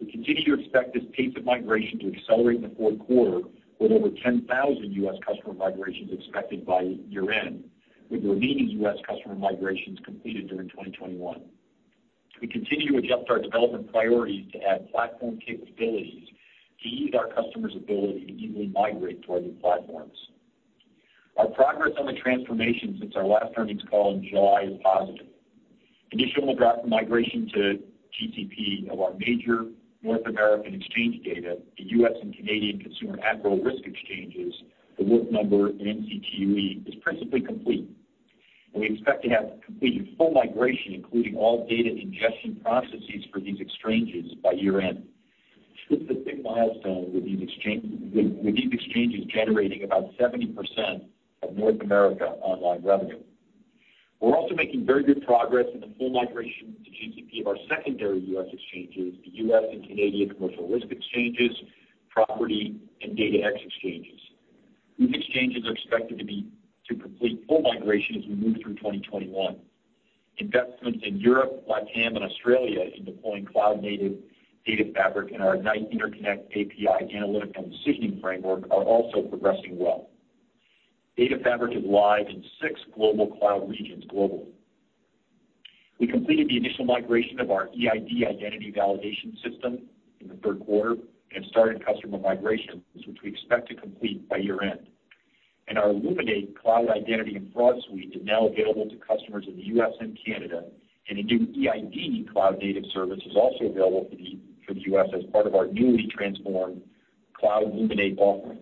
We continue to expect this pace of migration to accelerate in the fourth quarter, with over 10,000 U.S. customer migrations expected by year-end, with the remaining U.S. customer migrations completed during 2021. We continue to adjust our development priorities to add platform capabilities to ease our customers' ability to easily migrate to our new platforms. Our progress on the transformation since our last earnings call in July is positive. Initial and draft migration to GCP of our major North American exchange data, the U.S. and Canadian Consumer Admiral Risk Exchanges, The Work Number, and NCTUE is principally complete. We expect to have completed full migration, including all data ingestion processes for these exchanges, by year-end. This is a big milestone, with these exchanges generating about 70% of North America online revenue. We're also making very good progress in the full migration to GCP of our secondary U.S. exchanges, the U.S. and Canadian Commercial Risk Exchanges, Property, and DataX Exchanges. These exchanges are expected to complete full migration as we move through 2021. Investments in Europe, Black Tam, and Australia in deploying cloud-native data fabric and our Ignite Interconnect API analytic and decisioning framework are also progressing well. Data fabric is live in six global cloud regions globally. We completed the initial migration of our EID identity validation system in the third quarter and started customer migrations, which we expect to complete by year-end. Our Luminate Cloud Identity and Fraud Suite is now available to customers in the U.S. and Canada, and a new EID cloud-native service is also available for the U.S. as part of our newly transformed Cloud Luminate offering.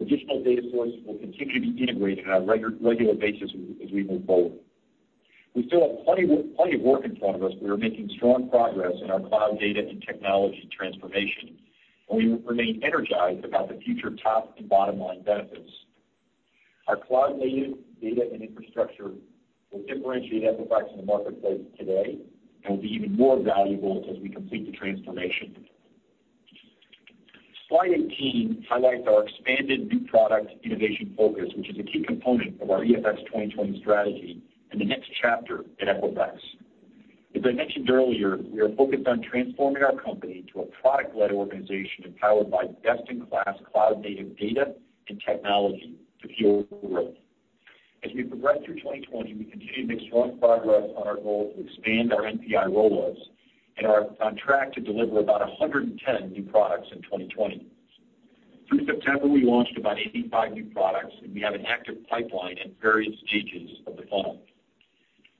Additional data sources will continue to be integrated on a regular basis as we move forward. We still have plenty of work in front of us. We are making strong progress in our cloud data and technology transformation, and we remain energized about the future top and bottom-line benefits. Our cloud-native data and infrastructure will differentiate Equifax in the marketplace today and will be even more valuable as we complete the transformation. Slide 18 highlights our expanded new product innovation focus, which is a key component of our EFX 2020 strategy and the next chapter at Equifax. As I mentioned earlier, we are focused on transforming our company into a product-led organization empowered by best-in-class cloud-native data and technology to fuel growth. As we progress through 2020, we continue to make strong progress on our goal to expand our NPI rollouts and are on track to deliver about 110 new products in 2020. Through September, we launched about 85 new products, and we have an active pipeline at various stages of the funnel.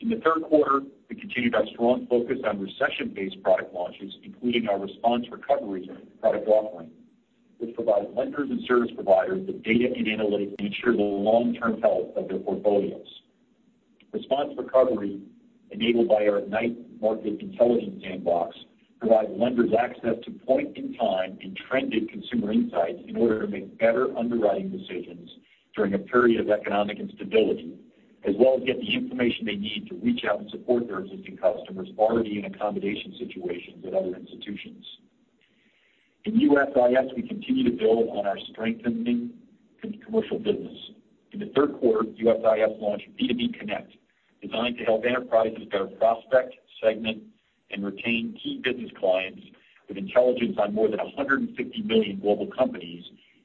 In the third quarter, we continued our strong focus on recession-based product launches, including our response recovery product offering, which provides lenders and service providers with data and analytics to ensure the long-term health of their portfolios. Response recovery, enabled by our Ignite Market Intelligence Sandbox, provides lenders access to point-in-time and trended consumer insights in order to make better underwriting decisions during a period of economic instability, as well as get the information they need to reach out and support their existing customers already in accommodation situations at other institutions. In USIS, we continue to build on our strengthening commercial business. In the third quarter, USIS launched B2B Connect, designed to help enterprises better prospect, segment, and retain key business clients, with intelligence on more than 150 million global companies,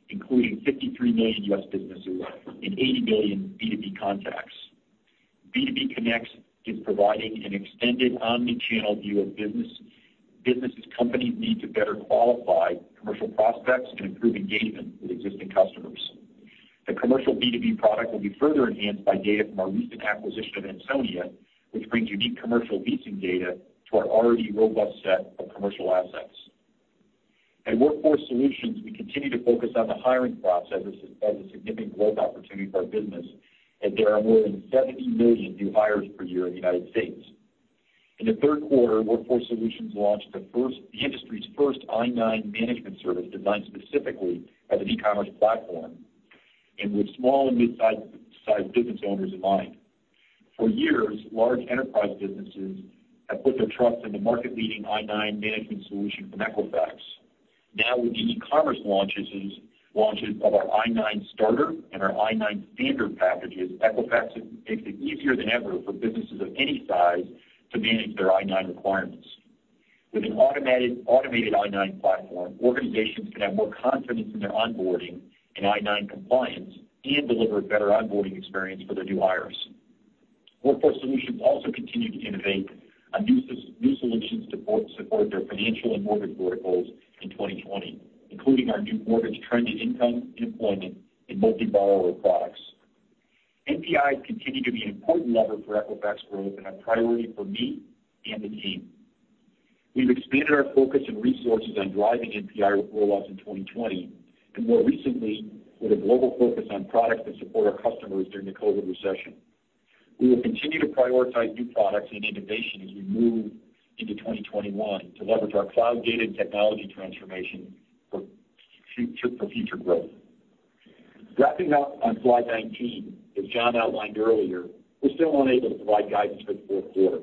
including 53 million U.S. businesses and 80 million B2B contacts. B2B Connect is providing an extended omnichannel view of businesses companies need to better qualify commercial prospects and improve engagement with existing customers. The commercial B2B product will be further enhanced by data from our recent acquisition of Ansonia, which brings unique commercial leasing data to our already robust set of commercial assets. At Workforce Solutions, we continue to focus on the hiring process as a significant growth opportunity for our business, as there are more than 70 million new hires per year in the United States. In the third quarter, Workforce Solutions launched the industry's first i9 management service, designed specifically as an e-commerce platform, and with small and mid-sized business owners in mind. For years, large enterprise businesses have put their trust in the market-leading I-9 management solution from Equifax. Now, with the e-commerce launches of our I-9 Starter and our I-9 Standard packages, Equifax makes it easier than ever for businesses of any size to manage their I-9 requirements. With an automated I-9 platform, organizations can have more confidence in their onboarding and I-9 compliance and deliver a better onboarding experience for their new hires. Workforce Solutions also continued to innovate on new solutions to support their financial and mortgage verticals in 2020, including our new mortgage trended income, employment, and multi-borrower products. NPIs continue to be an important lever for Equifax growth and a priority for me and the team. We've expanded our focus and resources on driving NPI rollouts in 2020, and more recently, with a global focus on products that support our customers during the COVID recession. We will continue to prioritize new products and innovation as we move into 2021 to leverage our cloud data and technology transformation for future growth. Wrapping up on slide 19, as John outlined earlier, we're still unable to provide guidance for the fourth quarter.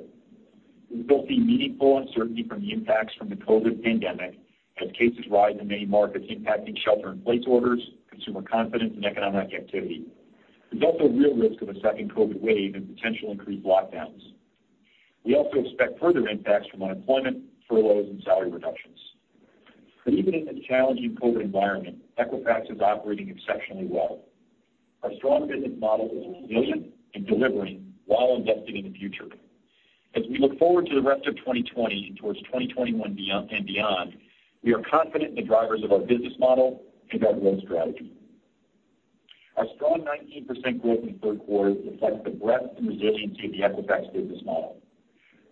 We have both seen meaningful uncertainty from the impacts from the COVID pandemic, as cases rise in many markets impacting shelter-in-place orders, consumer confidence, and economic activity. There is also a real risk of a second COVID wave and potential increased lockdowns. We also expect further impacts from unemployment, furloughs, and salary reductions. Even in this challenging COVID environment, Equifax is operating exceptionally well. Our strong business model is resilient and delivering while investing in the future. As we look forward to the rest of 2020 and towards 2021 and beyond, we are confident in the drivers of our business model and our growth strategy. Our strong 19% growth in the third quarter reflects the breadth and resiliency of the Equifax business model.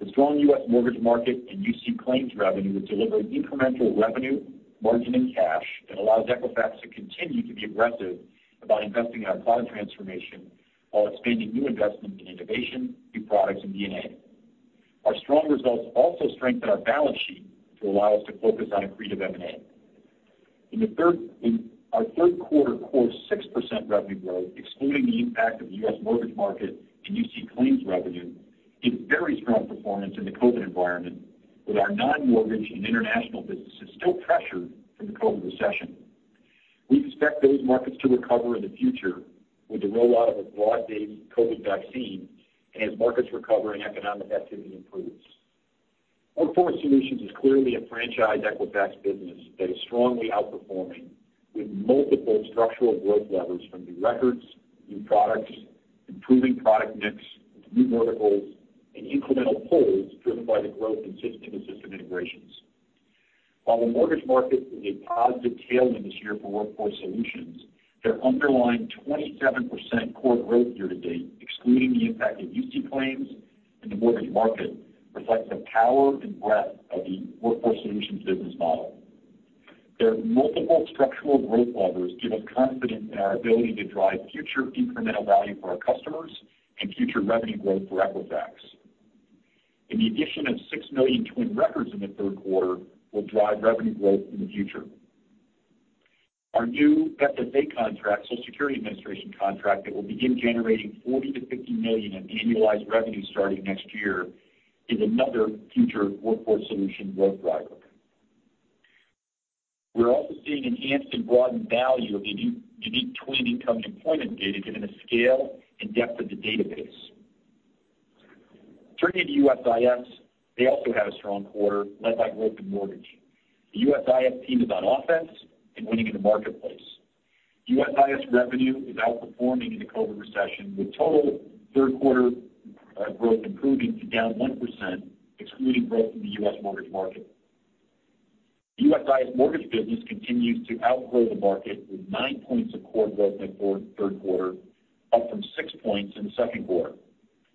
The strong U.S. mortgage market and UC claims revenue have delivered incremental revenue, margin, and cash that allows Equifax to continue to be aggressive about investing in our cloud transformation while expanding new investments in innovation, new products, and D&A. Our strong results also strengthen our balance sheet to allow us to focus on accretive M&A. In our third quarter, core 6% revenue growth, excluding the impact of the U.S. mortgage market and UC claims revenue, gives very strong performance in the COVID environment, with our non-mortgage and international businesses still pressured from the COVID recession. We expect those markets to recover in the future with the rollout of a broad-bay COVID vaccine and as markets recover and economic activity improves. Workforce Solutions is clearly a franchise Equifax business that is strongly outperforming, with multiple structural growth levers from new records, new products, improving product mix, new verticals, and incremental pulls driven by the growth in system-to-system integrations. While the mortgage market is a positive tailwind this year for Workforce Solutions, their underlying 27% core growth year-to-date, excluding the impact of UC claims and the mortgage market, reflects the power and breadth of the Workforce Solutions business model. Their multiple structural growth levers give us confidence in our ability to drive future incremental value for our customers and future revenue growth for Equifax. The addition of 6 million TWN records in the third quarter will drive revenue growth in the future. Our new FSA contract, Social Security Administration contract, that will begin generating $40 million-$50 million in annualized revenue starting next year is another future Workforce Solutions growth driver. We're also seeing enhanced and broadened value of the unique TWN income and employment data, given the scale and depth of the database. Turning to USIS, they also had a strong quarter led by growth in mortgage. The USIS team is on offense and winning in the marketplace. USIS revenue is outperforming in the COVID recession, with total third-quarter growth improving to down 1%, excluding growth in the U.S. mortgage market. USIS mortgage business continues to outgrow the market with 9 points of core growth in the third quarter, up from 6 points in the second quarter.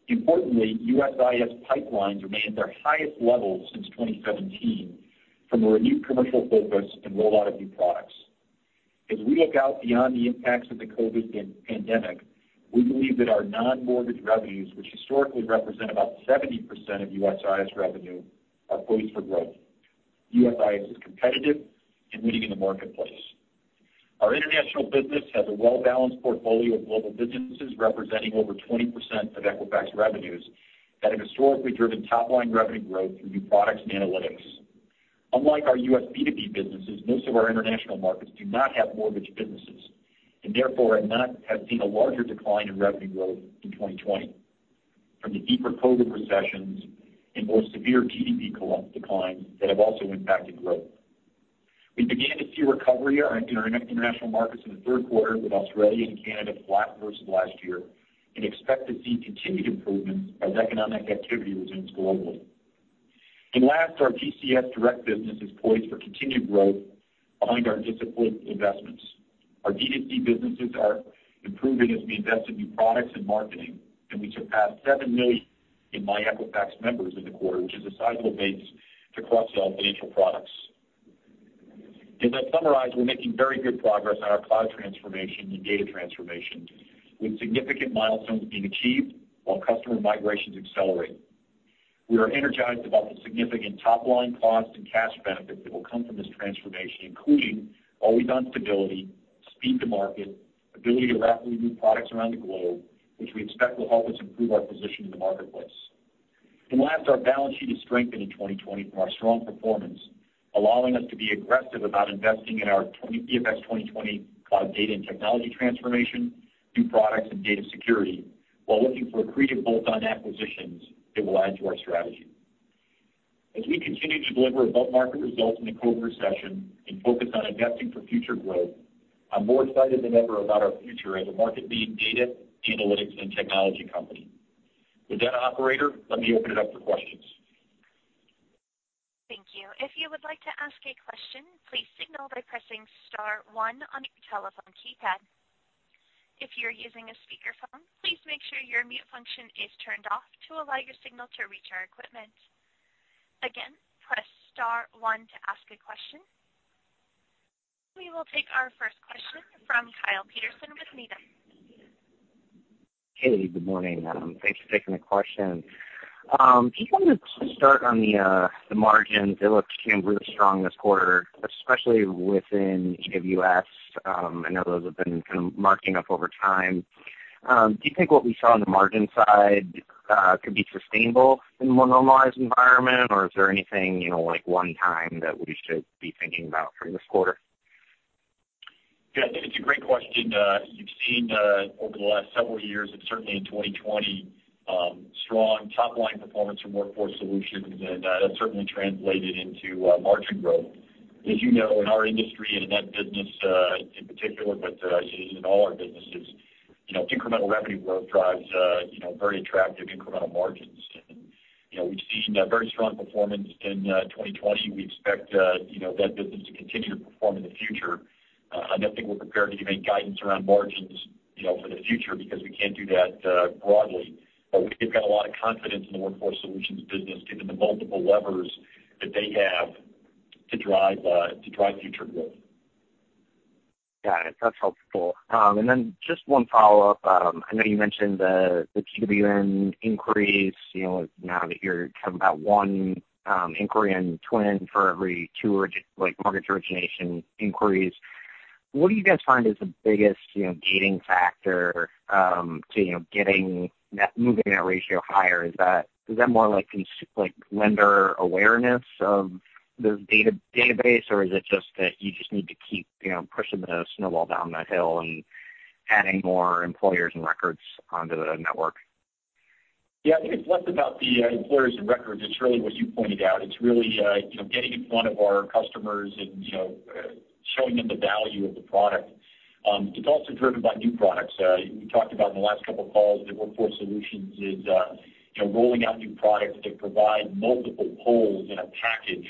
Importantly, USIS pipelines remain at their highest level since 2017 from a renewed commercial focus and rollout of new products. As we look out beyond the impacts of the COVID pandemic, we believe that our non-mortgage revenues, which historically represent about 70% of USIS revenue, are poised for growth. USIS is competitive and winning in the marketplace. Our international business has a well-balanced portfolio of global businesses representing over 20% of Equifax revenues that have historically driven top-line revenue growth through new products and analytics. Unlike our U.S. B2B businesses, most of our international markets do not have mortgage businesses and therefore have not seen a larger decline in revenue growth in 2020, from the deeper COVID recessions and more severe GDP declines that have also impacted growth. We began to see recovery in our international markets in the third quarter, with Australia and Canada flat versus last year, and expect to see continued improvements as economic activity resumes globally. Our GCS direct business is poised for continued growth behind our disciplined investments. Our D2C businesses are improving as we invest in new products and marketing, and we surpassed 7 million in myEquifax members in the quarter, which is a sizable base to cross-sell financial products. As I summarize, we are making very good progress on our cloud transformation and data transformation, with significant milestones being achieved while customer migrations accelerate. We are energized about the significant top-line cost and cash benefits that will come from this transformation, including always-on stability, speed to market, ability to rapidly move products around the globe, which we expect will help us improve our position in the marketplace. Last, our balance sheet is strengthened in 2020 from our strong performance, allowing us to be aggressive about investing in our EFX 2020 cloud data and technology transformation, new products, and data security, while looking for accretive bolt-on acquisitions that will add to our strategy. As we continue to deliver above-market results in the COVID recession and focus on investing for future growth, I'm more excited than ever about our future as a market-leading data analytics and technology company. With that, operator, let me open it up for questions. Thank you. If you would like to ask a question, please signal by pressing Star 1 on your telephone keypad. If you're using a speakerphone, please make sure your mute function is turned off to allow your signal to reach our equipment. Again, press Star 1 to ask a question. We will take our first question from Kyle Peterson with Needham. Hey, good morning. Thanks for taking the question. Do you want to start on the margins? It looked really strong this quarter, especially within EWS. I know those have been kind of marking up over time. Do you think what we saw on the margin side could be sustainable in a more normalized environment, or is there anything one-time that we should be thinking about for this quarter? It's a great question. You've seen over the last several years, and certainly in 2020, strong top-line performance from Workforce Solutions, and that's certainly translated into margin growth. As you know, in our industry and in that business in particular, but in all our businesses, incremental revenue growth drives very attractive incremental margins. We've seen very strong performance in 2020. We expect that business to continue to perform in the future. I don't think we're prepared to give any guidance around margins for the future because we can't do that broadly. We've got a lot of confidence in the Workforce Solutions business, given the multiple levers that they have to drive future growth. Got it. That's helpful. Just one follow-up. I know you mentioned the TWN inquiries now that you're kind of about one inquiry and TWN for every two mortgage origination inquiries. What do you guys find is the biggest gating factor to moving that ratio higher? Is that more like lender awareness of the database, or is it just that you just need to keep pushing the snowball down the hill and adding more employers and records onto the network? Yeah, I think it's less about the employers and records. It's really what you pointed out. It's really getting in front of our customers and showing them the value of the product. It's also driven by new products. We talked about in the last couple of calls that Workforce Solutions is rolling out new products that provide multiple pulls in a package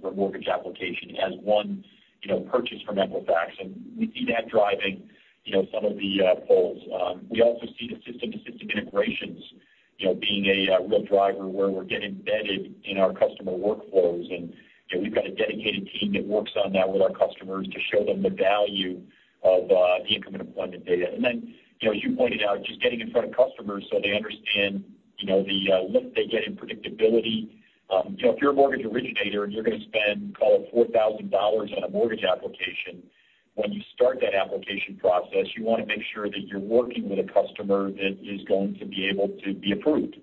for a mortgage application as one purchase from Equifax. We see that driving some of the pulls. We also see the system-to-system integrations being a real driver where we're getting embedded in our customer workflows. We've got a dedicated team that works on that with our customers to show them the value of the incremental employment data. As you pointed out, just getting in front of customers so they understand the lift they get in predictability. If you're a mortgage originator and you're going to spend, call it, $4,000 on a mortgage application, when you start that application process, you want to make sure that you're working with a customer that is going to be able to be approved.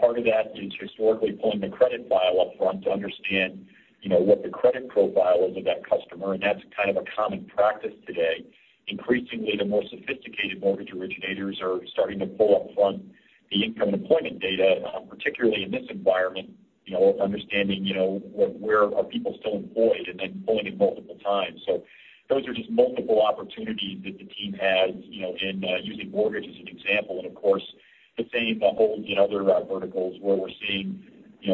Part of that is historically pulling the credit file upfront to understand what the credit profile is of that customer. That's kind of a common practice today. Increasingly, the more sophisticated mortgage originators are starting to pull upfront the incremental employment data, particularly in this environment, understanding where are people still employed and then pulling it multiple times. Those are just multiple opportunities that the team has in using mortgage as an example. Of course, the same holds in other verticals where we're seeing,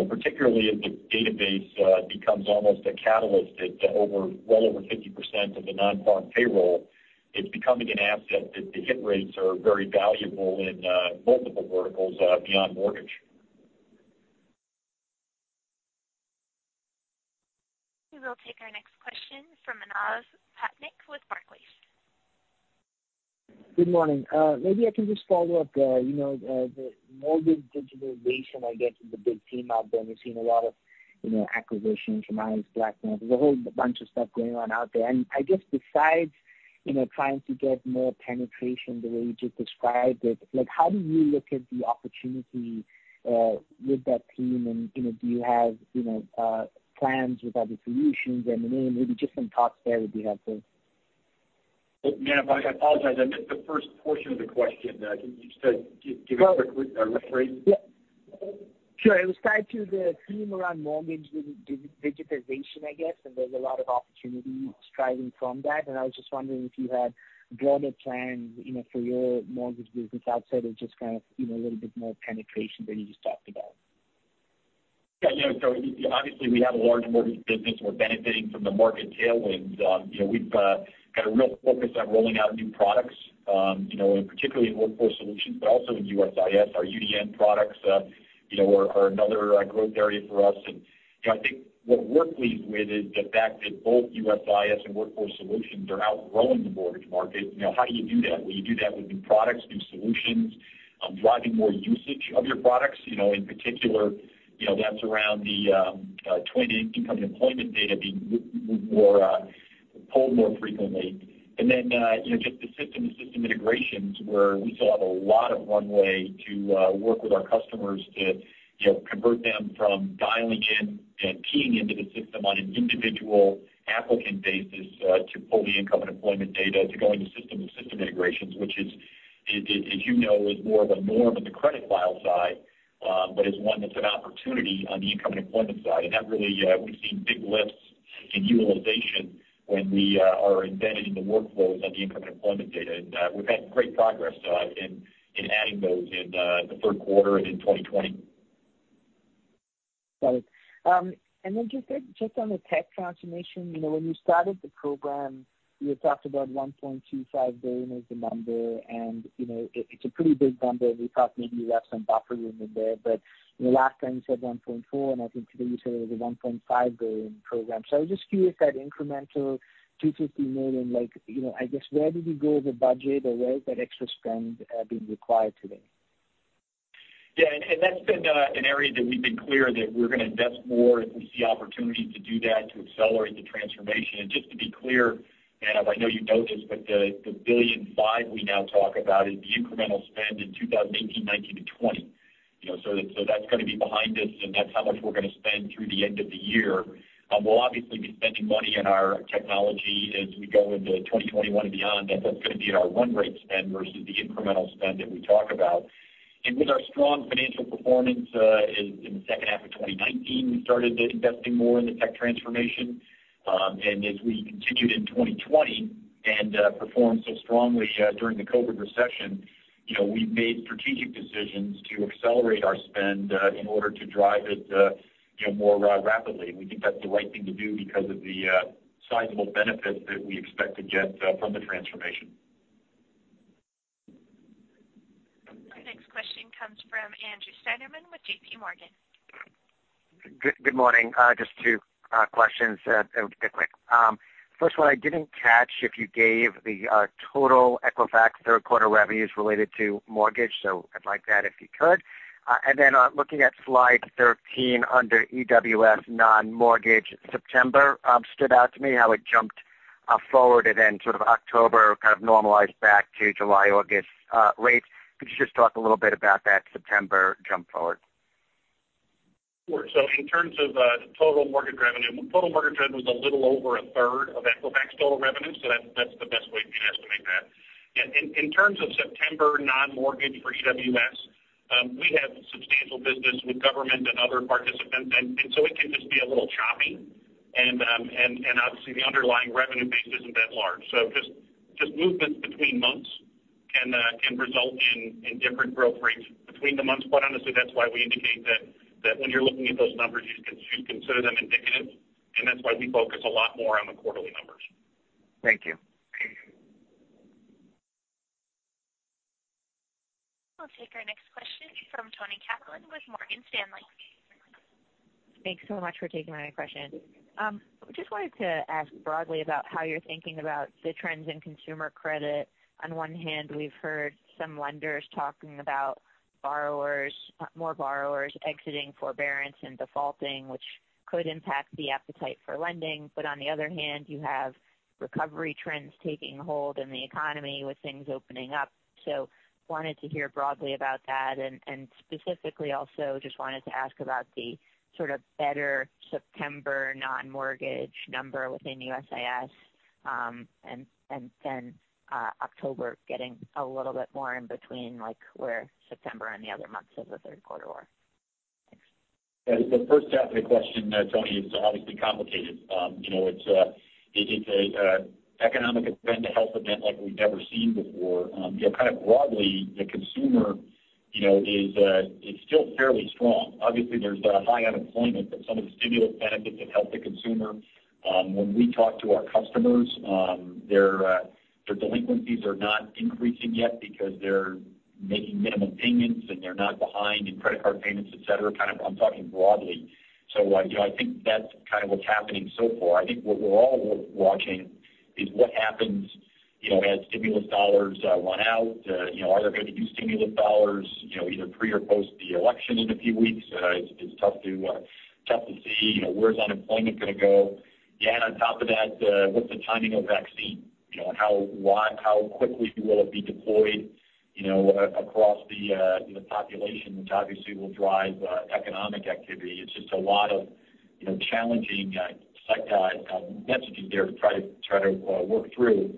particularly as the database becomes almost a catalyst that well over 50% of the non-farm payroll, it's becoming an asset that the hit rates are very valuable in multiple verticals beyond mortgage. We will take our next question from Manav Patnaik with Barclays. Good morning. Maybe I can just follow up. The mortgage digitization, I guess, is the big theme out there. We've seen a lot of acquisitions, demise, blackmail. There's a whole bunch of stuff going on out there. I guess besides trying to get more penetration the way you just described it, how do you look at the opportunity with that team? Do you have plans with other solutions? Maybe just some thoughts there would be helpful. Yeah, I apologize. I missed the first portion of the question. Can you just give it a quick refresh? Sure. It was tied to the theme around mortgage digitization, I guess, and there is a lot of opportunity striving from that. I was just wondering if you had broader plans for your mortgage business outside of just kind of a little bit more penetration than you just talked about. Yeah, obviously, we have a large mortgage business. We are benefiting from the market tailwinds. We have got a real focus on rolling out new products, particularly in Workforce Solutions, but also in USIS. Our UDM products are another growth area for us. I think what we're pleased with is the fact that both USIS and Workforce Solutions are outgrowing the mortgage market. How do you do that? You do that with new products, new solutions, driving more usage of your products. In particular, that's around the TWN income and employment data being pulled more frequently. Then just the system-to-system integrations, where we still have a lot of runway to work with our customers to convert them from dialing in and keying into the system on an individual applicant basis to pull the income and employment data to go into system-to-system integrations, which, as you know, is more of a norm on the credit file side, but is one that's an opportunity on the income and employment side. We have seen big lifts in utilization when we are embedded in the workflows on the income and employment data. We have had great progress in adding those in the third quarter and in 2020. Got it. Just on the tech transformation, when you started the program, you talked about $1.25 billion as the number. It is a pretty big number. We thought maybe you left some buffer room in there. Last time you said $1.4 billion, and I think today you said it was a $1.5 billion program. I was just curious, that incremental $250 million, I guess, where did you go with the budget, or where is that extra spend being required today? Yeah, that has been an area that we have been clear that we are going to invest more if we see opportunities to do that, to accelerate the transformation. Just to be clear, and I know you know this, but the $1.5 billion we now talk about is the incremental spend in 2018, 2019, and 2020. That is going to be behind us, and that is how much we are going to spend through the end of the year. We will obviously be spending money on our technology as we go into 2021 and beyond. That is going to be our run rate spend versus the incremental spend that we talk about. With our strong financial performance in the second half of 2019, we started investing more in the tech transformation. As we continued in 2020 and performed so strongly during the COVID recession, we made strategic decisions to accelerate our spend in order to drive it more rapidly. We think that's the right thing to do because of the sizable benefits that we expect to get from the transformation. Our next question comes from Andrew Steinerman with J.P. Morgan. Good morning. Just two questions real quick. First one, I did not catch if you gave the total Equifax third-quarter revenues related to mortgage. I would like that if you could. Looking at slide 13 under EWS non-mortgage, September stood out to me how it jumped forward, and then sort of October kind of normalized back to July, August rates. Could you just talk a little bit about that September jump forward? Sure. In terms of total mortgage revenue, total mortgage revenue was a little over a third of Equifax total revenue. That is the best way you can estimate that. In terms of September non-mortgage for EWS, we have substantial business with government and other participants. It can just be a little choppy. Obviously, the underlying revenue base is not that large, so movements between months can result in different growth rates between the months. Honestly, that is why we indicate that when you are looking at those numbers, you should consider them indicative. That is why we focus a lot more on the quarterly numbers. Thank you. We will take our next question from Toni Kaplan with Morgan Stanley. Thanks so much for taking my question. I just wanted to ask broadly about how you are thinking about the trends in consumer credit. On one hand, we have heard some lenders talking about more borrowers exiting forbearance and defaulting, which could impact the appetite for lending. On the other hand, you have recovery trends taking hold in the economy with things opening up. I wanted to hear broadly about that. Specifically, also just wanted to ask about the sort of better September non-mortgage number within USIS and then October getting a little bit more in between where September and the other months of the third quarter were. Thanks. The first half of the question, Toni, is obviously complicated. It is an economic and mental health event like we have never seen before. Kind of broadly, the consumer is still fairly strong. Obviously, there is high unemployment, but some of the stimulus benefits have helped the consumer. When we talk to our customers, their delinquencies are not increasing yet because they are making minimum payments, and they are not behind in credit card payments, etc. Kind of I am talking broadly. I think that is kind of what is happening so far. I think what we are all watching is what happens as stimulus dollars run out. Are there going to be new stimulus dollars either pre or post the election in a few weeks? It's tough to see where's unemployment going to go. Yeah, and on top of that, what's the timing of vaccine? How quickly will it be deployed across the population, which obviously will drive economic activity? It's just a lot of challenging messages there to try to work through.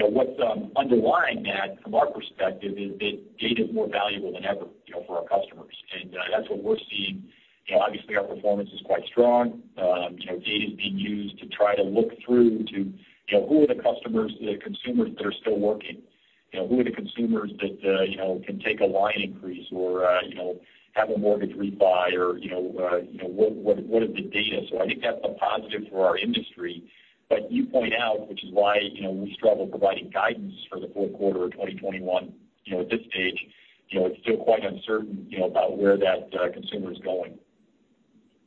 What's underlying that, from our perspective, is that data is more valuable than ever for our customers. And that's what we're seeing. Obviously, our performance is quite strong. Data is being used to try to look through to who are the consumers that are still working? Who are the consumers that can take a line increase or have a mortgage rebuy? Or what is the data? So I think that's a positive for our industry. You point out, which is why we struggle providing guidance for the fourth quarter of 2021 at this stage. It's still quite uncertain about where that consumer is going.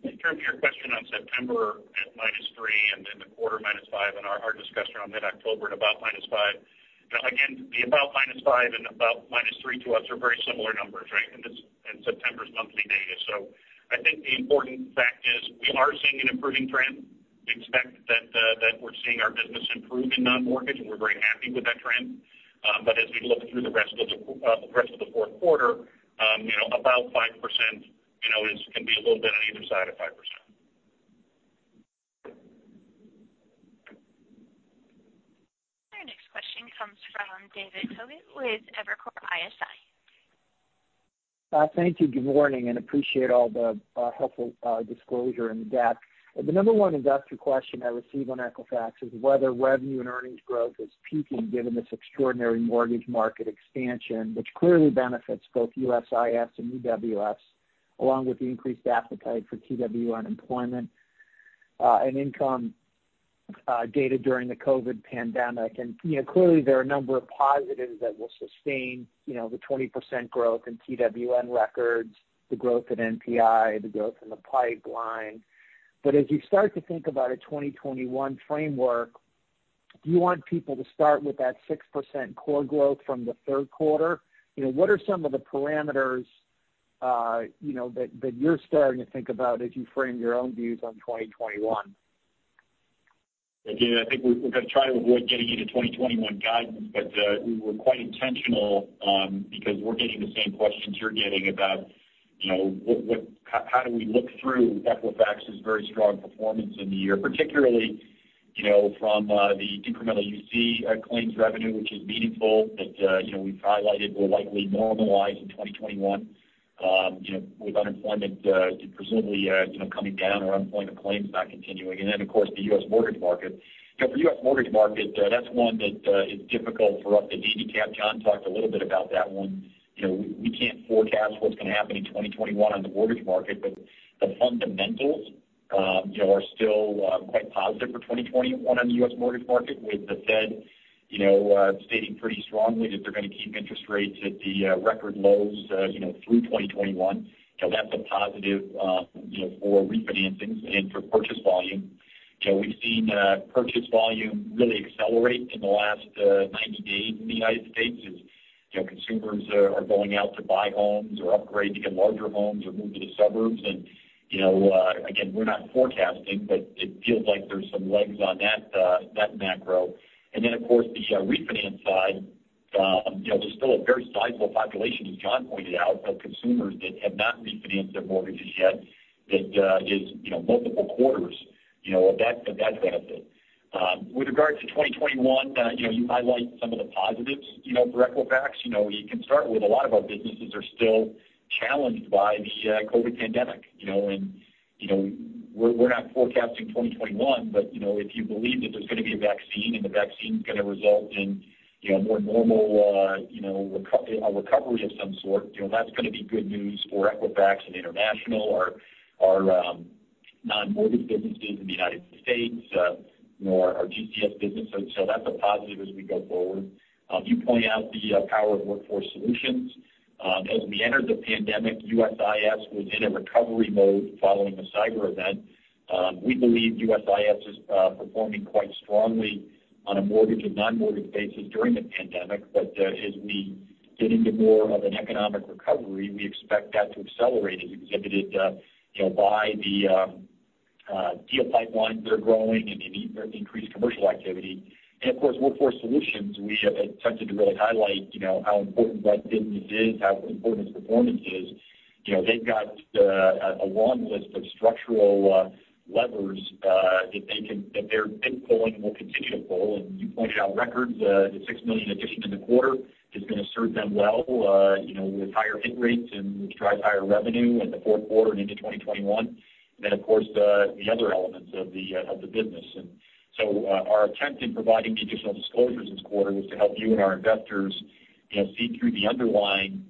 In terms of your question on September at -3% and then the quarter -5% and our discussion on mid-October at about -5%, again, the about -5% and about -3% to us are very similar numbers, right, in September's monthly data. I think the important fact is we are seeing an improving trend. We expect that we're seeing our business improve in non-mortgage, and we're very happy with that trend. As we look through the rest of the fourth quarter, about 5% can be a little bit on either side of 5%. Our next question comes from David Hogan with Evercore ISI. Thank you. Good morning, and appreciate all the helpful disclosure and depth. The number one industrial question I received on Equifax is whether revenue and earnings growth is peaking given this extraordinary mortgage market expansion, which clearly benefits both USIS and EWS, along with the increased appetite for TWN employment and income data during the COVID pandemic. There are a number of positives that will sustain the 20% growth in TWN records, the growth in NPI, the growth in the pipeline. As you start to think about a 2021 framework, do you want people to start with that 6% core growth from the third quarter? What are some of the parameters that you're starting to think about as you frame your own views on 2021? Again, I think we're going to try to avoid getting into 2021 guidance, but we were quite intentional because we're getting the same questions you're getting about how do we look through Equifax's very strong performance in the year, particularly from the incremental UC claims revenue, which is meaningful that we've highlighted will likely normalize in 2021 with unemployment presumably coming down or unemployment claims not continuing. Of course, the U.S. mortgage market. For U.S. mortgage market, that's one that is difficult for us to navigate. John talked a little bit about that one. We can't forecast what's going to happen in 2021 on the mortgage market, but the fundamentals are still quite positive for 2021 on the U.S. mortgage market, with the Fed stating pretty strongly that they're going to keep interest rates at the record lows through 2021. That's a positive for refinancings and for purchase volume. We've seen purchase volume really accelerate in the last 90 days in the United States as consumers are going out to buy homes or upgrade, get larger homes, or move to the suburbs. Again, we're not forecasting, but it feels like there's some legs on that macro. Of course, the refinance side, there's still a very sizable population, as John pointed out, of consumers that have not refinanced their mortgages yet that is multiple quarters of that benefit. With regard to 2021, you highlight some of the positives for Equifax. You can start with a lot of our businesses are still challenged by the COVID pandemic. We're not forecasting 2021, but if you believe that there's going to be a vaccine and the vaccine is going to result in more normal recovery of some sort, that's going to be good news for Equifax and International, our non-mortgage businesses in the United States, our GCS business. That's a positive as we go forward. You point out the power of Workforce Solutions. As we entered the pandemic, USIS was in a recovery mode following the cyber event. We believe USIS is performing quite strongly on a mortgage and non-mortgage basis during the pandemic. As we get into more of an economic recovery, we expect that to accelerate as exhibited by the deal pipelines that are growing and increased commercial activity. Of course, Workforce Solutions, we attempted to really highlight how important that business is, how important its performance is. They've got a long list of structural levers that they've been pulling and will continue to pull. You pointed out records. The 6 million addition in the quarter is going to serve them well with higher hit rates and drive higher revenue in the fourth quarter and into 2021. The other elements of the business. Our attempt in providing the additional disclosures this quarter was to help you and our investors see through the underlying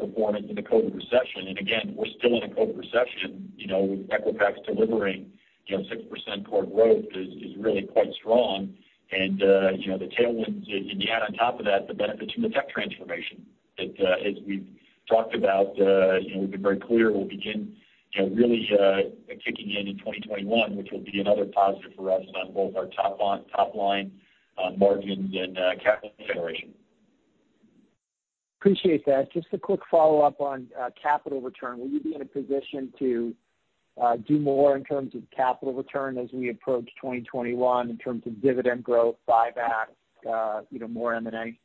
performance in the COVID recession. We're still in a COVID recession with Equifax delivering 6% core growth, which is really quite strong. The tailwinds add on top of that, the benefits from the tech transformation that, as we've talked about, we've been very clear will begin really kicking in in 2021, which will be another positive for us on both our top line margins and capital generation. Appreciate that. Just a quick follow-up on capital return. Will you be in a position to do more in terms of capital return as we approach 2021 in terms of dividend growth, buybacks, more M&A?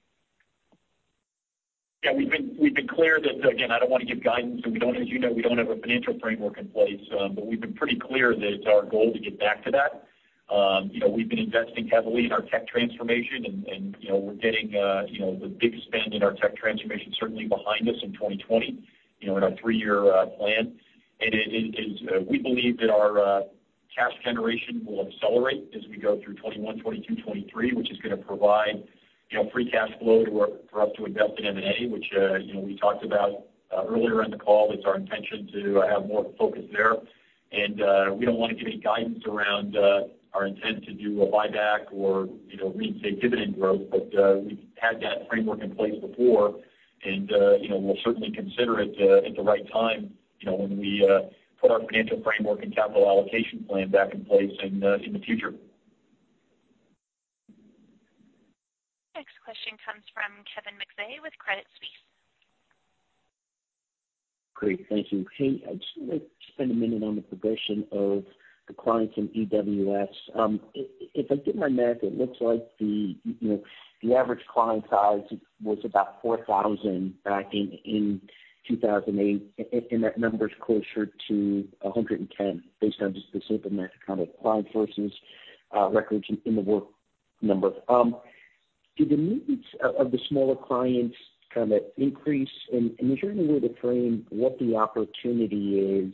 Yeah, we've been clear that, again, I don't want to give guidance. As you know, we don't have a financial framework in place, but we've been pretty clear that it's our goal to get back to that. We've been investing heavily in our tech transformation, and we're getting the big spend in our tech transformation certainly behind us in 2020 in our three-year plan. We believe that our cash generation will accelerate as we go through 2021, 2022, 2023, which is going to provide free cash flow for us to invest in M&A, which we talked about earlier in the call. It is our intention to have more focus there. We do not want to give any guidance around our intent to do a buyback or reach a dividend growth, but we have had that framework in place before. We will certainly consider it at the right time when we put our financial framework and capital allocation plan back in place in the future. Next question comes from Kevin McVey with Credit Suisse. Great. Thank you. Hey, I just want to spend a minute on the progression of the clients in EWS. If I did my math, it looks like the average client size was about 4,000 back in 2008, and that number is closer to 110 based on just the simple math of kind of client sources, records, and The Work Number. Do the needs of the smaller clients kind of increase? Is there any way to frame what the opportunity is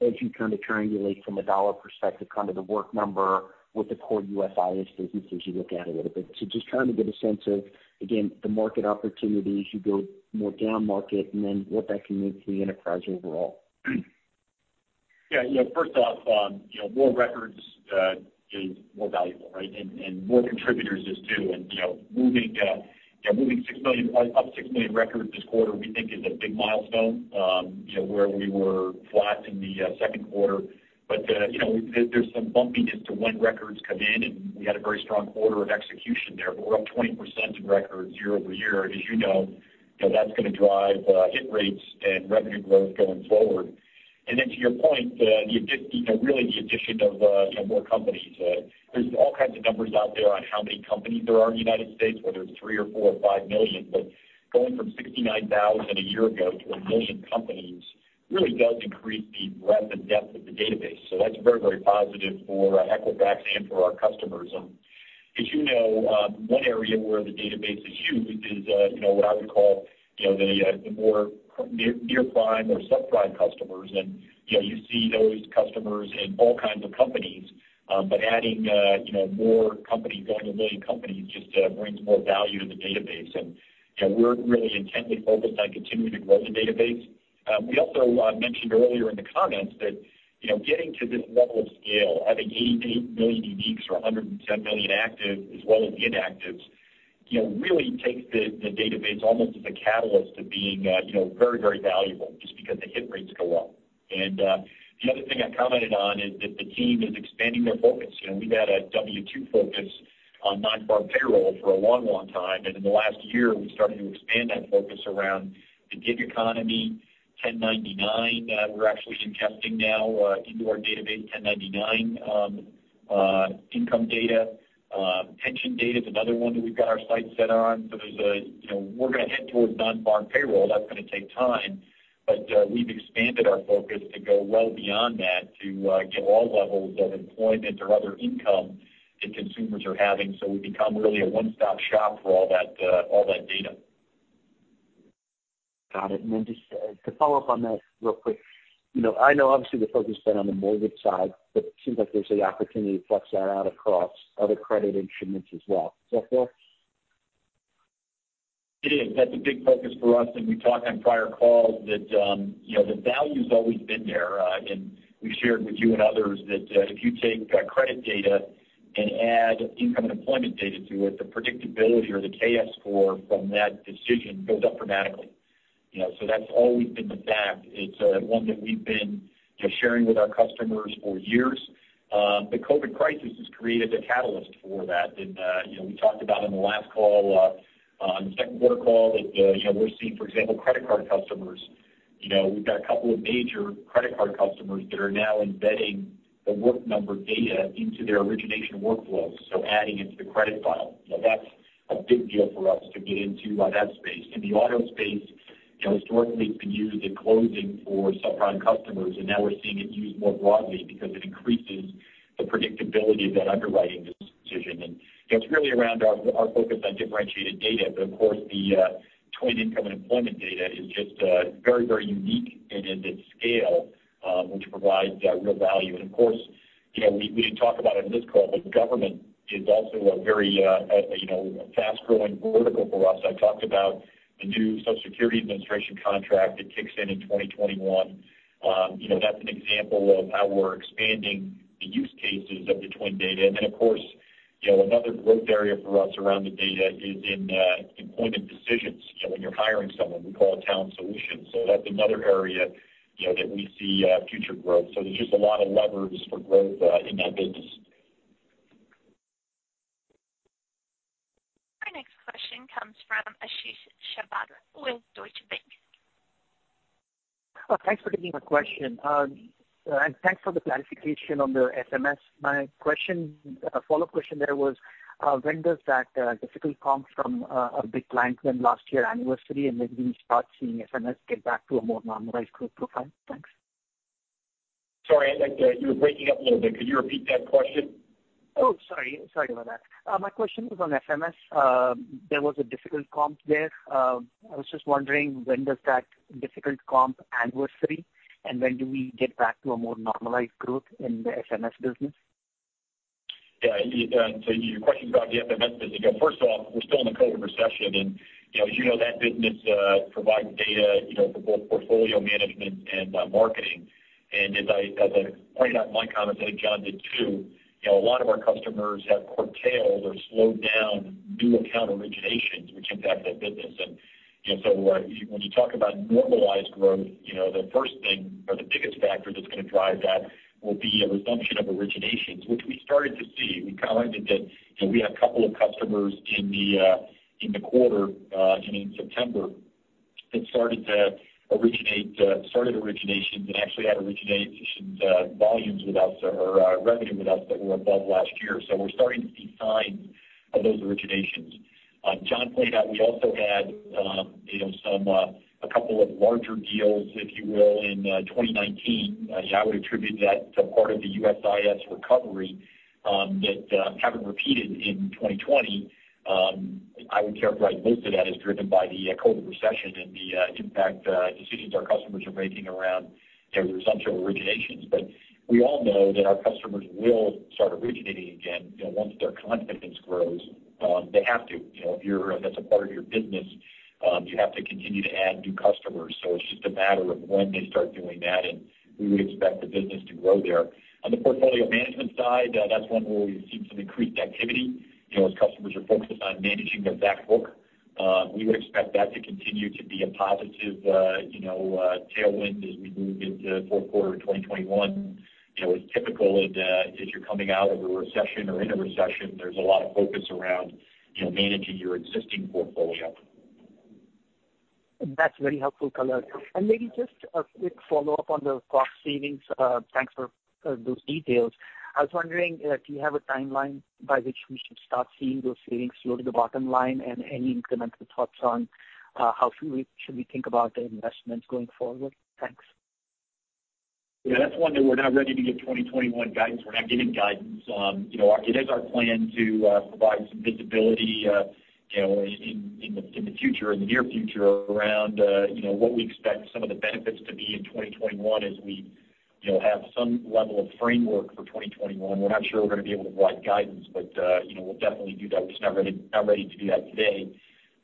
as you kind of triangulate from a dollar perspective kind of The Work Number with the core USIS business as you look at it a little bit? Just trying to get a sense of, again, the market opportunity as you go more down market and then what that can mean for the enterprise overall. Yeah. First off, more records is more valuable, right? More contributors is too. Moving up 6 million records this quarter, we think, is a big milestone where we were flat in the second quarter. There is some bumpiness to when records come in, and we had a very strong quarter of execution there. We are up 20% in records year over year. As you know, that is going to drive hit rates and revenue growth going forward. To your point, really the addition of more companies. There are all kinds of numbers out there on how many companies there are in the U.S., whether it is 3 million or 4 million or 5 million. Going from 69,000 a year ago to a million companies really does increase the breadth and depth of the database. That is very, very positive for Equifax and for our customers. As you know, one area where the database is used is what I would call the more near prime or subprime customers. You see those customers in all kinds of companies. Adding more companies, going to a million companies, just brings more value to the database. We are really intently focused on continuing to grow the database. We also mentioned earlier in the comments that getting to this level of scale, having 88 million uniques or 110 million active as well as inactives, really takes the database almost as a catalyst of being very, very valuable just because the hit rates go up. The other thing I commented on is that the team is expanding their focus. We have had a W-2 focus on non-farm payroll for a long, long time. In the last year, we started to expand that focus around the gig economy, 1099. We're actually ingesting now into our database 1099 income data. Pension data is another one that we've got our sights set on. We are going to head towards non-farm payroll. That's going to take time. We have expanded our focus to go well beyond that to get all levels of employment or other income that consumers are having. We become really a one-stop shop for all that data. Got it. Just to follow up on that real quick, I know obviously the focus has been on the mortgage side, but it seems like there's an opportunity to flex that out across other credit instruments as well. Is that fair? It is. That's a big focus for us. We talked on prior calls that the value has always been there. We have shared with you and others that if you take credit data and add income and employment data to it, the predictability or the KS score from that decision goes up dramatically. That has always been the fact. It is one that we have been sharing with our customers for years. The COVID crisis has created a catalyst for that. We talked about in the last call, the second quarter call, that we are seeing, for example, credit card customers. We have a couple of major credit card customers that are now embedding The Work Number data into their origination workflows, adding it to the credit file. That is a big deal for us to get into that space. In the auto space, historically, it has been used in closing for subprime customers, and now we are seeing it used more broadly because it increases the predictability of that underwriting decision. It is really around our focus on differentiated data. Of course, the TWN income and employment data is just very, very unique in its scale, which provides real value. We did not talk about it on this call, but government is also a very fast-growing vertical for us. I talked about the new Social Security Administration contract that kicks in in 2021. That is an example of how we are expanding the use cases of the TWN data. Another growth area for us around the data is in employment decisions. When you are hiring someone, we call it talent solutions. That is another area that we see future growth. There are just a lot of levers for growth in that business. Our next question comes from Ashish Sabadra with Deutsche Bank. Thanks for taking my question. Thanks for the clarification on the SMS. My follow-up question there was, when does that difficulty come from a big client when last year anniversary and then we start seeing SMS get back to a more normalized group profile? Thanks. Sorry, I think you were breaking up a little bit. Could you repeat that question? Oh, sorry. Sorry about that. My question was on SMS. There was a difficult comp there. I was just wondering when does that difficult comp anniversary and when do we get back to a more normalized growth in the SMS business? Yeah. Your question about the SMS business, first off, we're still in a COVID recession. As you know, that business provides data for both portfolio management and marketing. As I pointed out in my comments and I think John did too, a lot of our customers have curtailed or slowed down new account originations, which impact that business. When you talk about normalized growth, the first thing or the biggest factor that's going to drive that will be a resumption of originations, which we started to see. We commented that we had a couple of customers in the quarter and in September that started to originate and actually had origination volumes with us or revenue with us that were above last year. We are starting to see signs of those originations. John pointed out we also had a couple of larger deals, if you will, in 2019. I would attribute that to part of the USIS recovery that have not repeated in 2020. I would characterize most of that as driven by the COVID recession and the impact decisions our customers are making around the resumption of originations. We all know that our customers will start originating again once their confidence grows. They have to. That's a part of your business. You have to continue to add new customers. It's just a matter of when they start doing that, and we would expect the business to grow there. On the portfolio management side, that's one where we've seen some increased activity as customers are focused on managing their back book. We would expect that to continue to be a positive tailwind as we move into the fourth quarter of 2021. It's typical that as you're coming out of a recession or in a recession, there's a lot of focus around managing your existing portfolio. That's very helpful to learn. Maybe just a quick follow-up on the cost savings. Thanks for those details. I was wondering if you have a timeline by which we should start seeing those savings flow to the bottom line and any incremental thoughts on how should we think about investments going forward? Thanks. Yeah. That's one that we're not ready to give 2021 guidance. We're not giving guidance. It is our plan to provide some visibility in the future, in the near future, around what we expect some of the benefits to be in 2021 as we have some level of framework for 2021. We're not sure we're going to be able to provide guidance, but we'll definitely do that. We're not ready to do that today.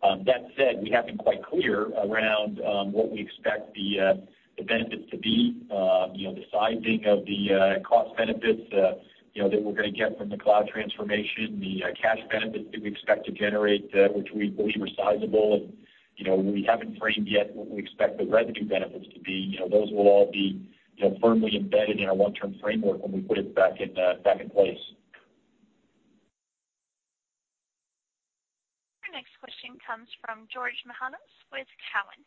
That said, we haven't been quite clear around what we expect the benefits to be, the sizing of the cost benefits that we're going to get from the cloud transformation, the cash benefits that we expect to generate, which we believe are sizable. We haven't framed yet what we expect the revenue benefits to be. Those will all be firmly embedded in our long-term framework when we put it back in place. Our next question comes from George Mihalos with Cowan.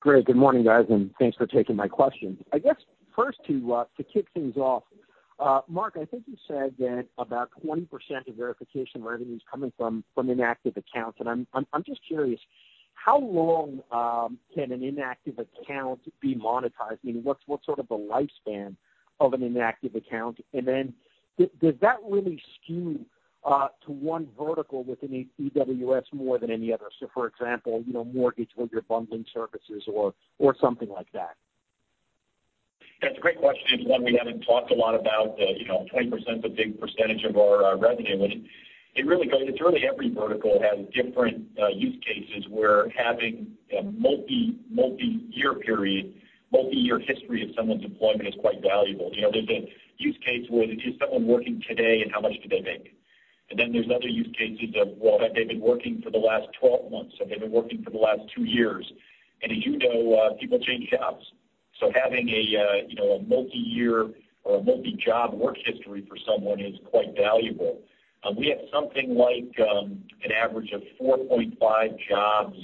Great. Good morning, guys, and thanks for taking my questions. I guess first, to kick things off, Mark, I think you said that about 20% of verification revenue is coming from inactive accounts. I'm just curious, how long can an inactive account be monetized? I mean, what's sort of the lifespan of an inactive account? Does that really skew to one vertical within EWS more than any other? For example, mortgage where you're bundling services or something like that. That's a great question. It's one we haven't talked a lot about, the 20%, the big percentage of our revenue. It really goes to really every vertical has different use cases where having a multi-year period, multi-year history of someone's employment is quite valuable. There's a use case where is someone working today and how much do they make? Then there's other use cases of, well, they've been working for the last 12 months. They've been working for the last two years. As you know, people change jobs. Having a multi-year or a multi-job work history for someone is quite valuable. We have something like an average of 4.5 jobs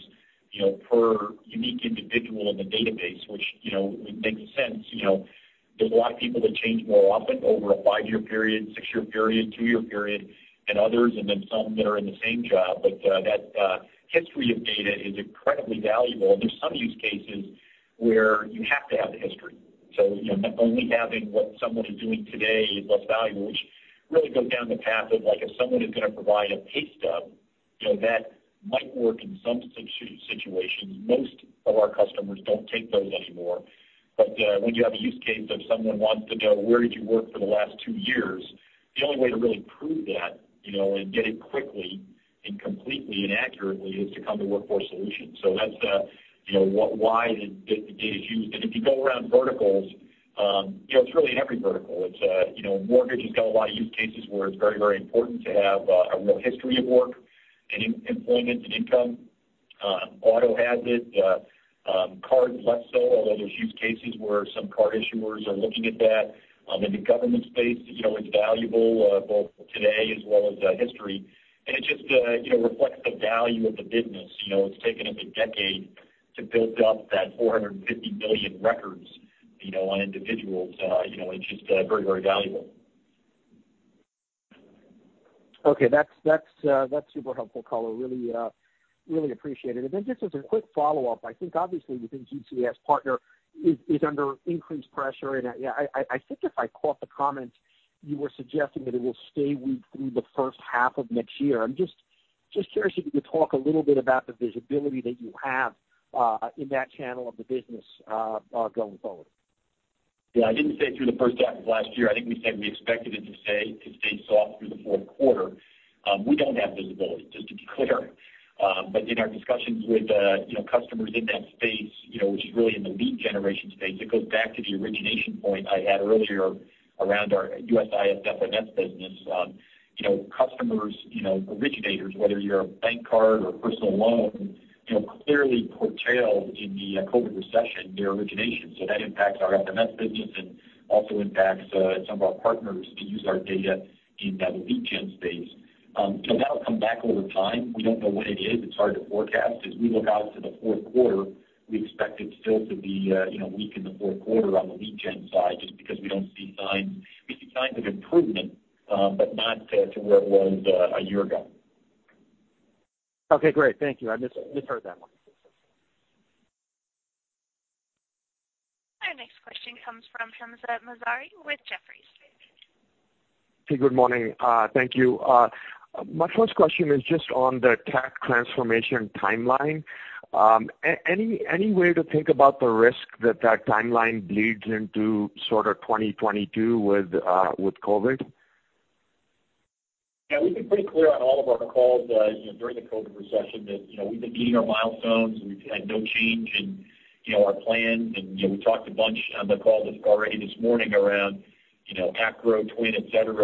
per unique individual in the database, which makes sense. are a lot of people that change more often over a five-year period, six-year period, two-year period, and others, and then some that are in the same job. That history of data is incredibly valuable. There are some use cases where you have to have the history. Only having what someone is doing today is less valuable, which really goes down the path of if someone is going to provide a pay stub, that might work in some situations. Most of our customers do not take those anymore. When you have a use case of someone wants to know, "Where did you work for the last two years?" the only way to really prove that and get it quickly and completely and accurately is to come to Workforce Solutions. That is why the data is used. If you go around verticals, it is really in every vertical. Mortgage has got a lot of use cases where it's very, very important to have a real history of work and employment and income. Auto has it. Cards, less so, although there's use cases where some card issuers are looking at that. In the government space, it's valuable both today as well as history. It just reflects the value of the business. It's taken us a decade to build up that 450 million records on individuals. It's just very, very valuable. Okay. That's super helpful color. Really appreciate it. And then just as a quick follow-up, I think obviously within GCS, partner is under increased pressure. I think if I caught the comments, you were suggesting that it will stay weak through the first half of next year. I'm just curious if you could talk a little bit about the visibility that you have in that channel of the business going forward. Yeah. I didn't say through the first half of last year. I think we said we expected it to stay soft through the fourth quarter. We don't have visibility, just to be clear. In our discussions with customers in that space, which is really in the lead generation space, it goes back to the origination point I had earlier around our USIS FMS business. Customers, originators, whether you're a bank card or a personal loan, clearly curtailed in the COVID recession their origination. That impacts our FMS business and also impacts some of our partners that use our data in the lead gen space. That'll come back over time. We don't know when it is. It's hard to forecast. As we look out to the fourth quarter, we expect it still to be weak in the fourth quarter on the lead gen side just because we do not see signs. We see signs of improvement, but not to where it was a year ago. Okay. Great. Thank you. I misheard that one. Our next question comes from Hamzah Mazari with Jefferies. Hey, good morning. Thank you. My first question is just on the tech transformation timeline. Any way to think about the risk that that timeline bleeds into sort of 2022 with COVID? Yeah. We have been pretty clear on all of our calls during the COVID recession that we have been meeting our milestones. We have had no change in our plans. We talked a bunch on the call just already this morning around ACRO, TWN, etc.,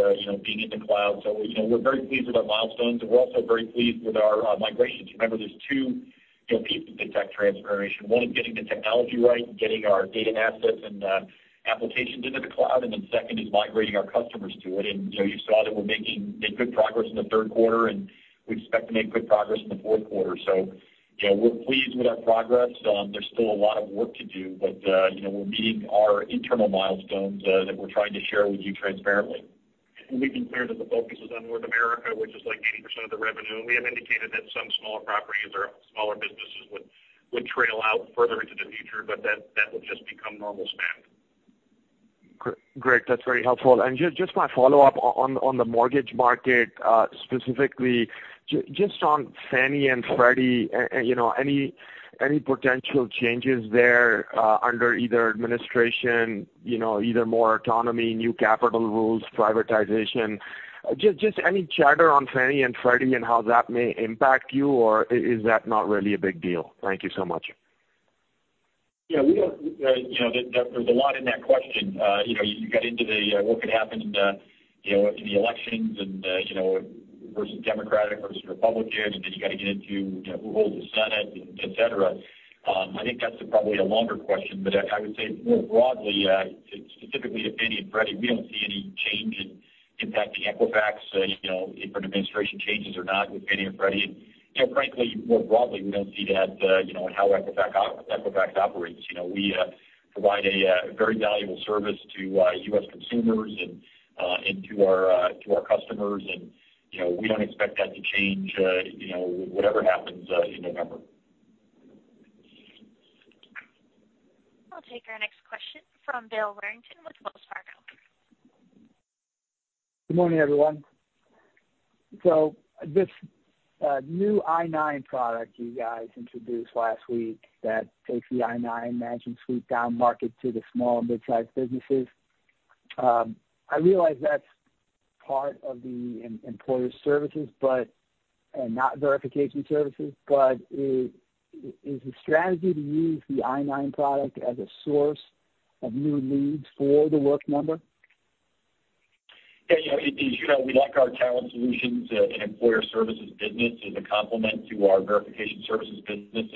being in the cloud. We are very pleased with our milestones. We're also very pleased with our migrations. Remember, there's two pieces to tech transformation. One is getting the technology right, getting our data assets and applications into the cloud. The second is migrating our customers to it. You saw that we're making good progress in the third quarter, and we expect to make good progress in the fourth quarter. We're pleased with our progress. There's still a lot of work to do, but we're meeting our internal milestones that we're trying to share with you transparently. We've been clear that the focus is on North America, which is like 80% of the revenue. We have indicated that some smaller properties or smaller businesses would trail out further into the future, but that will just become normal spam. Great. That's very helpful. Just my follow-up on the mortgage market specifically, just on Fannie and Freddie, any potential changes there under either administration, either more autonomy, new capital rules, privatization? Just any chatter on Fannie and Freddie and how that may impact you, or is that not really a big deal? Thank you so much. Yeah. There is a lot in that question. You got into what could happen in the elections versus Democratic versus Republican, and then you got to get into who holds the Senate, etc. I think that is probably a longer question, but I would say more broadly, specifically to Fannie and Freddie, we do not see any change in impacting Equifax if an administration changes or not with Fannie and Freddie. And frankly, more broadly, we do not see that in how Equifax operates. We provide a very valuable service to U.S. consumers and to our customers, and we do not expect that to change with whatever happens in November. We will take our next question from Bill Warmington with Wells Fargo. Good morning, everyone. This new I9 product you guys introduced last week takes the I9 management suite down market to the small and mid-sized businesses. I realize that is part of the employer services and not verification services, but is the strategy to use the I9 product as a source of new leads for The Work Number? Yeah. We like our talent solutions and employer services business as a complement to our verification services business.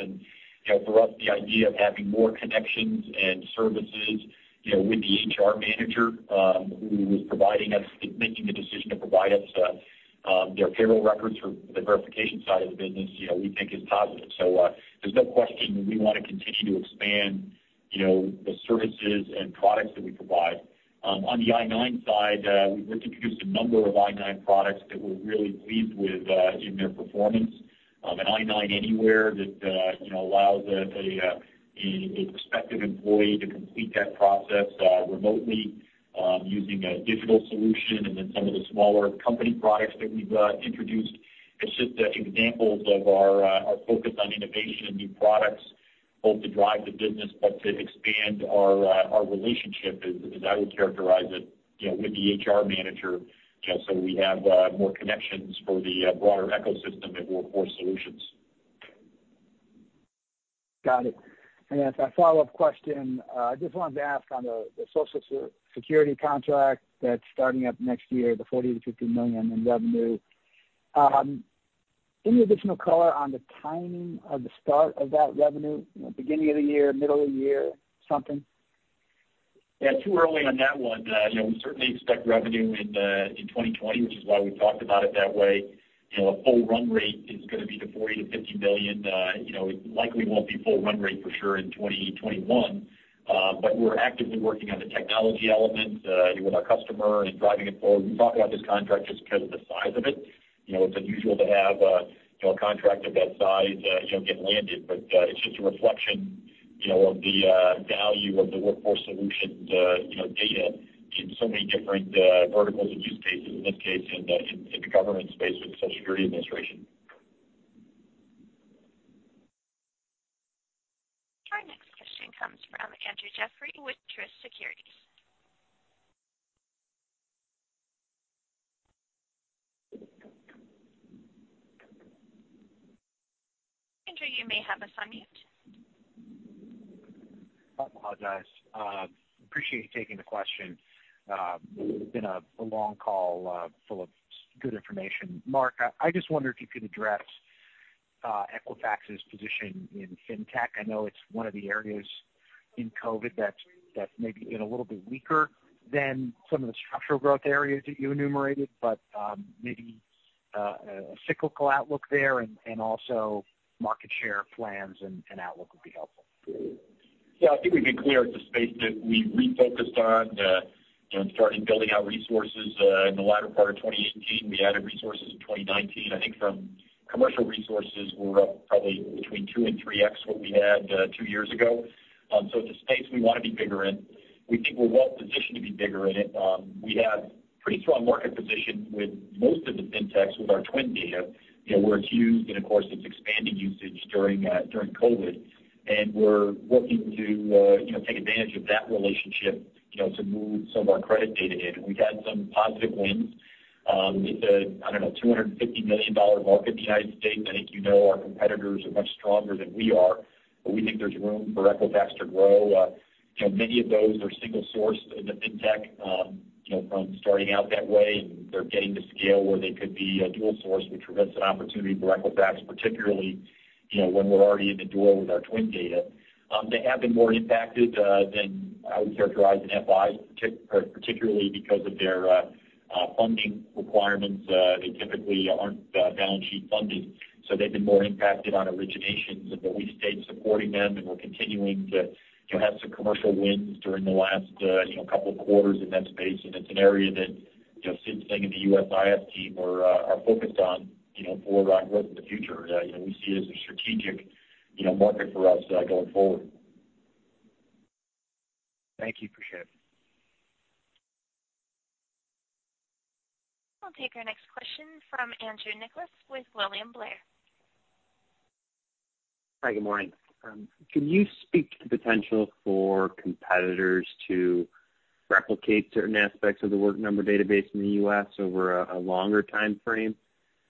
For us, the idea of having more connections and services with the HR manager who is providing us, making the decision to provide us their payroll records for the verification side of the business, we think is positive. There is no question that we want to continue to expand the services and products that we provide. On the I-9 side, we have introduced a number of I-9 products that we are really pleased with in their performance. An I-9 Anywhere that allows a prospective employee to complete that process remotely using a digital solution. Then some of the smaller company products that we have introduced. It is just examples of our focus on innovation and new products, both to drive the business but to expand our relationship, as I would characterize it, with the HR manager. We have more connections for the broader ecosystem at Workforce Solutions. Got it. As my follow-up question, I just wanted to ask on the Social Security contract that's starting up next year, the $40 million-$50 million in revenue. Any additional color on the timing of the start of that revenue, beginning of the year, middle of the year, something? Yeah. Too early on that one. We certainly expect revenue in 2020, which is why we talked about it that way. A full run rate is going to be the $40 million-$50 million. It likely won't be full run rate for sure in 2021, but we're actively working on the technology element with our customer and driving it forward. We talked about this contract just because of the size of it. It's unusual to have a contract of that size get landed, but it's just a reflection of the value of the Workforce Solutions data in so many different verticals and use cases, in this case in the government space with the Social Security Administration. Our next question comes from Andrew Jeffrey with Truist Securities. Andrew, you may have us on mute. I apologize. Appreciate you taking the question. It's been a long call full of good information. Mark, I just wondered if you could address Equifax's position in fintech. I know it's one of the areas in COVID that's maybe been a little bit weaker than some of the structural growth areas that you enumerated, but maybe a cyclical outlook there and also market share plans and outlook would be helpful. Yeah. I think we've been clear at the space that we refocused on and started building out resources in the latter part of 2018. We added resources in 2019. I think from commercial resources, we're up probably between 2x-3x what we had two years ago. It is a space we want to be bigger in. We think we're well positioned to be bigger in it. We have a pretty strong market position with most of the fintechs with our TWN data where it's used and, of course, it's expanding usage during COVID. We are working to take advantage of that relationship to move some of our credit data in. We've had some positive wins. It is a, I don't know, $250 million market in the United States. I think you know our competitors are much stronger than we are, but we think there's room for Equifax to grow. Many of those are single-sourced in the fintech from starting out that way, and they're getting to scale where they could be a dual-source, which presents an opportunity for Equifax, particularly when we're already in the door with our TWN data. They have been more impacted than I would characterize in FIs, particularly because of their funding requirements. They typically aren't balance sheet funded. They have been more impacted on originations, but we've stayed supporting them and we're continuing to have some commercial wins during the last couple of quarters in that space. It is an area that Sid Singh and the USIS team are focused on for our growth in the future. We see it as a strategic market for us going forward. Thank you. Appreciate it. We'll take our next question from Andrew Nicholas with William Blair. Hi. Good morning. Can you speak to the potential for competitors to replicate certain aspects of The Work Number database in the U.S. over a longer time frame?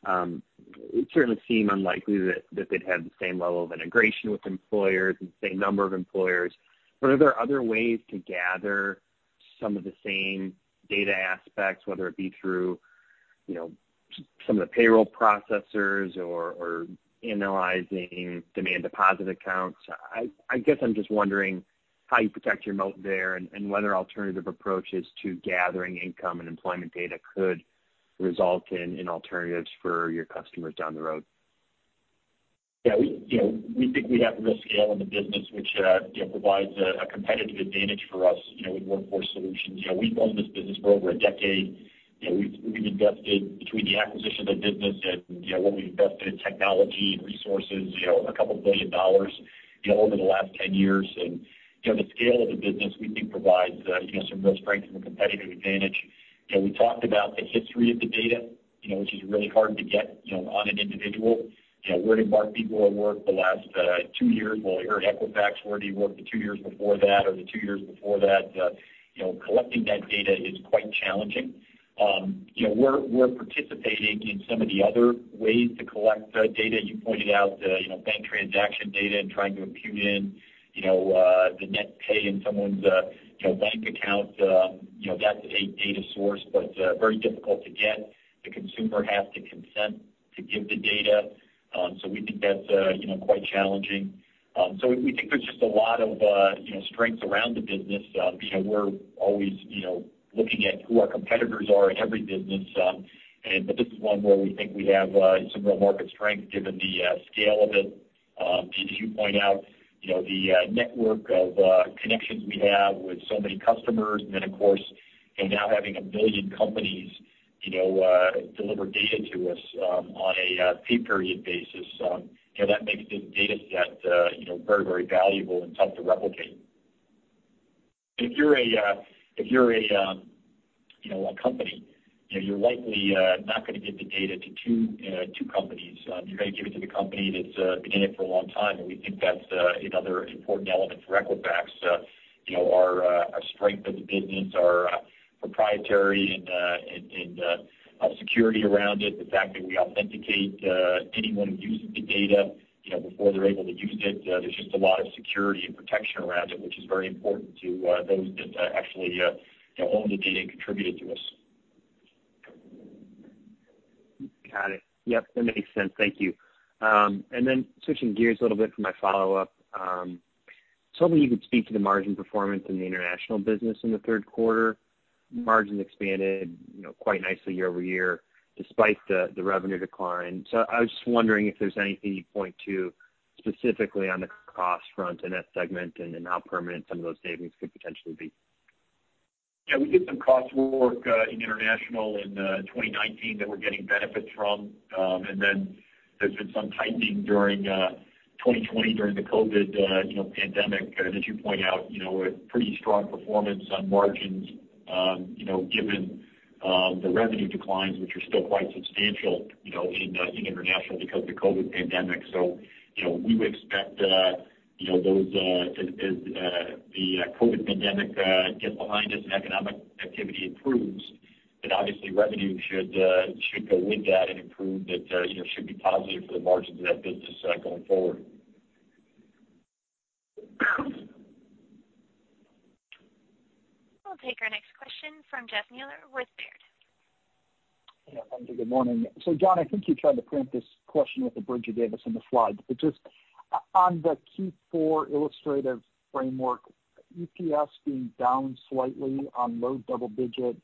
It certainly seemed unlikely that they'd have the same level of integration with employers and the same number of employers. Are there other ways to gather some of the same data aspects, whether it be through some of the payroll processors or analyzing demand deposit accounts? I guess I'm just wondering how you protect your moat there and whether alternative approaches to gathering income and employment data could result in alternatives for your customers down the road. Yeah. We think we have the risk scale in the business, which provides a competitive advantage for us with Workforce Solutions. We've owned this business for over a decade. We've invested between the acquisition of the business and what we've invested in technology and resources, a couple of billion dollars over the last 10 years. The scale of the business, we think, provides some real strength and a competitive advantage. We talked about the history of the data, which is really hard to get on an individual. Where did Mark Begor work the last two years? He worked at Equifax. Where did he work the two years before that or the two years before that? Collecting that data is quite challenging. We're participating in some of the other ways to collect data. You pointed out bank transaction data and trying to impute in the net pay in someone's bank account. That's a data source, but very difficult to get. The consumer has to consent to give the data. We think that's quite challenging. We think there is just a lot of strengths around the business. We are always looking at who our competitors are in every business, but this is one where we think we have some real market strength given the scale of it. As you point out, the network of connections we have with so many customers. Of course, now having a million companies deliver data to us on a pay period basis, that makes this data set very, very valuable and tough to replicate. If you are a company, you are likely not going to give the data to two companies. You are going to give it to the company that has been in it for a long time. We think that is another important element for Equifax. Our strength of the business, our proprietary and security around it, the fact that we authenticate anyone who uses the data before they're able to use it. There's just a lot of security and protection around it, which is very important to those that actually own the data and contributed to us. Got it. Yep. That makes sense. Thank you. Switching gears a little bit for my follow-up, you told me you could speak to the margin performance in the international business in the third quarter. Margins expanded quite nicely year over year despite the revenue decline. I was just wondering if there's anything you'd point to specifically on the cost front in that segment and how permanent some of those savings could potentially be. Yeah. We did some cost work in international in 2019 that we're getting benefits from. There has been some tightening during 2020 during the COVID pandemic. As you point out, we had pretty strong performance on margins given the revenue declines, which are still quite substantial in international because of the COVID pandemic. We would expect those as the COVID pandemic gets behind us and economic activity improves, that obviously revenue should go with that and improve. That should be positive for the margins of that business going forward. We'll take our next question from Jeff Meuler with Baird. Hi, Anthony. Good morning. John, I think you tried to preempt this question with the bridge you gave us in the slide, but just on the Keith Forde Illustrative Framework, EPS being down slightly on low double-digit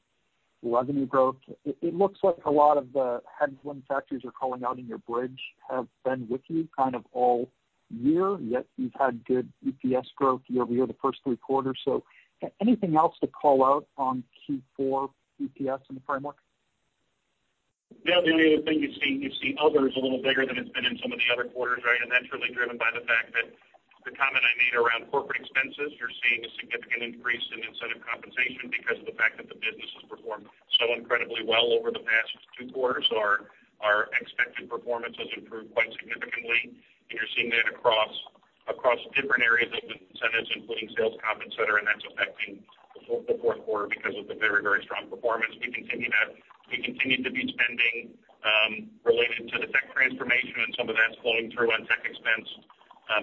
revenue growth. It looks like a lot of the hedge fund factors you're calling out in your bridge have been with you kind of all year, yet you've had good EPS growth year over year the first three quarters. Anything else to call out on key fourth quarter EPS in the framework? Yeah. The only other thing, you've seen others a little bigger than it's been in some of the other quarters, right? That's really driven by the fact that the comment I made around corporate expenses, you're seeing a significant increase in incentive compensation because of the fact that the business has performed so incredibly well over the past two quarters. Our expected performance has improved quite significantly, and you're seeing that across different areas of incentives, including sales comp, etc., and that's affecting the fourth quarter because of the very, very strong performance. We continue to be spending related to the tech transformation, and some of that's flowing through on tech expense,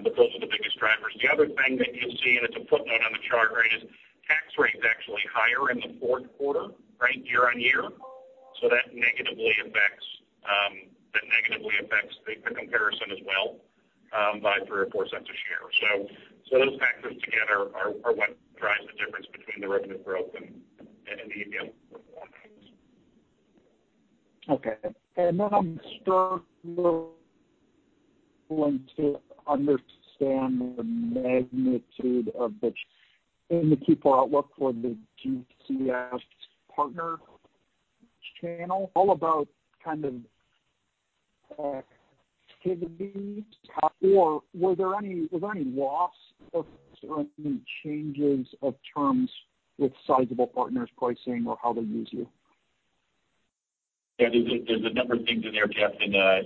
but those are the biggest drivers. The other thing that you'll see, and it's a footnote on the chart, right, is tax rates actually higher in the fourth quarter, right, year on year. That negatively affects the comparison as well by three or four cents a share. Those factors together are what drives the difference between the revenue growth and the EPS. Okay. I'm struggling to understand the magnitude of the. In the GCS partner channel outlook. All about kind of activities or were there any loss or any changes of terms with sizable partners pricing or how they use you? Yeah. There's a number of things in there, Jeff. There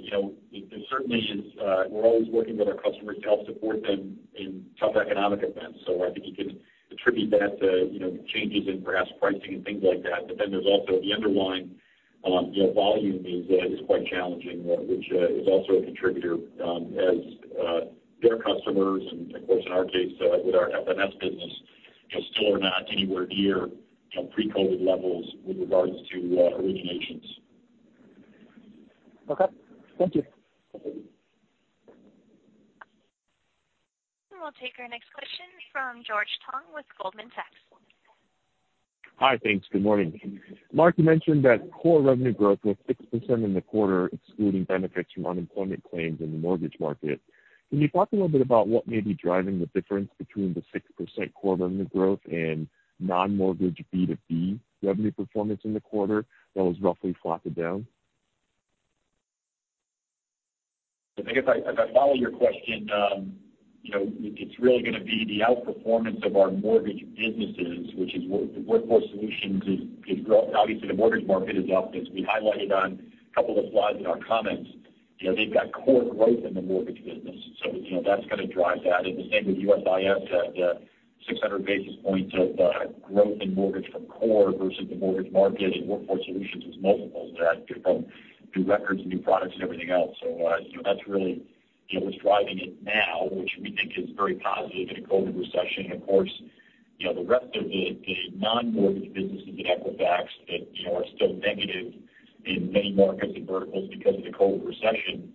certainly is. We are always working with our customers to help support them in tough economic events. I think you can attribute that to changes in perhaps pricing and things like that. There is also the underlying volume, which is quite challenging, which is also a contributor as their customers and, of course, in our case with our FMS business, still are not anywhere near pre-COVID levels with regards to originations. Okay. Thank you. We will take our next question from George Tong with Goldman Sachs. Hi. Thanks. Good morning. Mark, you mentioned that core revenue growth was 6% in the quarter, excluding benefits from unemployment claims in the mortgage market. Can you talk a little bit about what may be driving the difference between the 6% core revenue growth and non-mortgage B2B revenue performance in the quarter that was roughly flat and down? I guess I follow your question. It's really going to be the outperformance of our mortgage businesses, which is what Workforce Solutions is growing. Obviously, the mortgage market is up, as we highlighted on a couple of slides in our comments. They've got core growth in the mortgage business. That is going to drive that. The same with USIS, that 600 basis points of growth in mortgage from core versus the mortgage market and Workforce Solutions is multiples that come from new records and new products and everything else. That is really what's driving it now, which we think is very positive in a COVID recession. Of course, the rest of the non-mortgage businesses at Equifax that are still negative in many markets and verticals because of the COVID recession,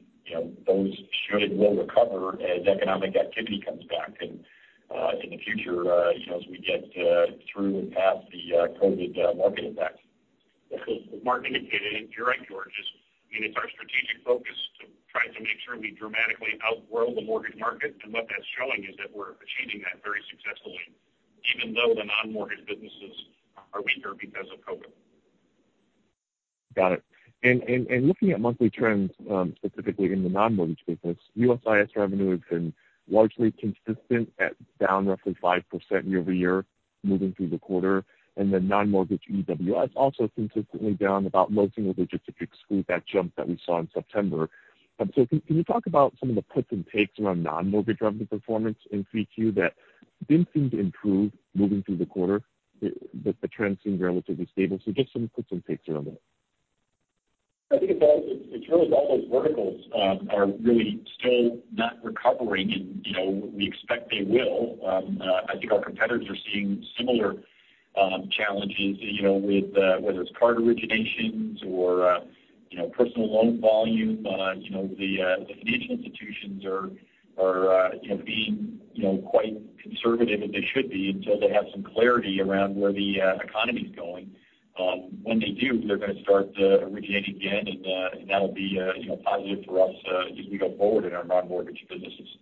those should and will recover as economic activity comes back in the future as we get through and past the COVID market effects. Mark indicated, and you're right, George, it's our strategic focus to try to make sure we dramatically outgrow the mortgage market. What that's showing is that we're achieving that very successfully, even though the non-mortgage businesses are weaker because of COVID. Got it. Looking at monthly trends, specifically in the non-mortgage business, USIS revenue has been largely consistent at down roughly 5% year over year moving through the quarter. Non-mortgage EWS also consistently down about low single digits if you exclude that jump that we saw in September. Can you talk about some of the puts and takes around non-mortgage revenue performance in 3Q that did not seem to improve moving through the quarter, but the trend seemed relatively stable? Just some puts and takes around that. I think it is really all those verticals are really still not recovering, and we expect they will. I think our competitors are seeing similar challenges with whether it is card originations or personal loan volume. The financial institutions are being quite conservative as they should be until they have some clarity around where the economy is going. When they do, they are going to start originating again, and that will be positive for us as we go forward in our non-mortgage businesses.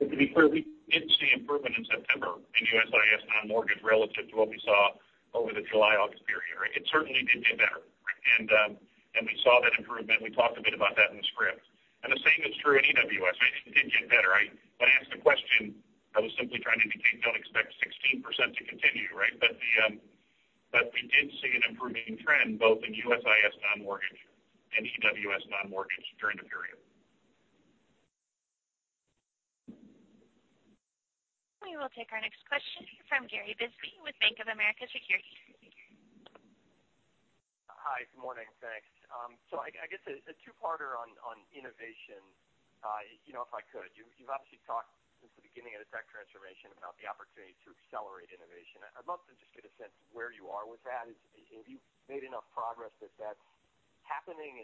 To be clear, we did not see improvement in September in USIS non-mortgage relative to what we saw over the July-August period, right? It certainly did not get better. We saw that improvement. We talked a bit about that in the script. The same is true in EWS, right? It did get better. When I asked the question, I was simply trying to indicate, "Don't expect 16% to continue," right? We did see an improving trend both in USIS non-mortgage and EWS non-mortgage during the period. We will take our next question from Gary Bisbee with Bank of America Securities. Hi. Good morning. Thanks. I guess a two-parter on innovation, if I could. You've obviously talked since the beginning of the tech transformation about the opportunity to accelerate innovation. I'd love to just get a sense of where you are with that. Have you made enough progress that that's happening?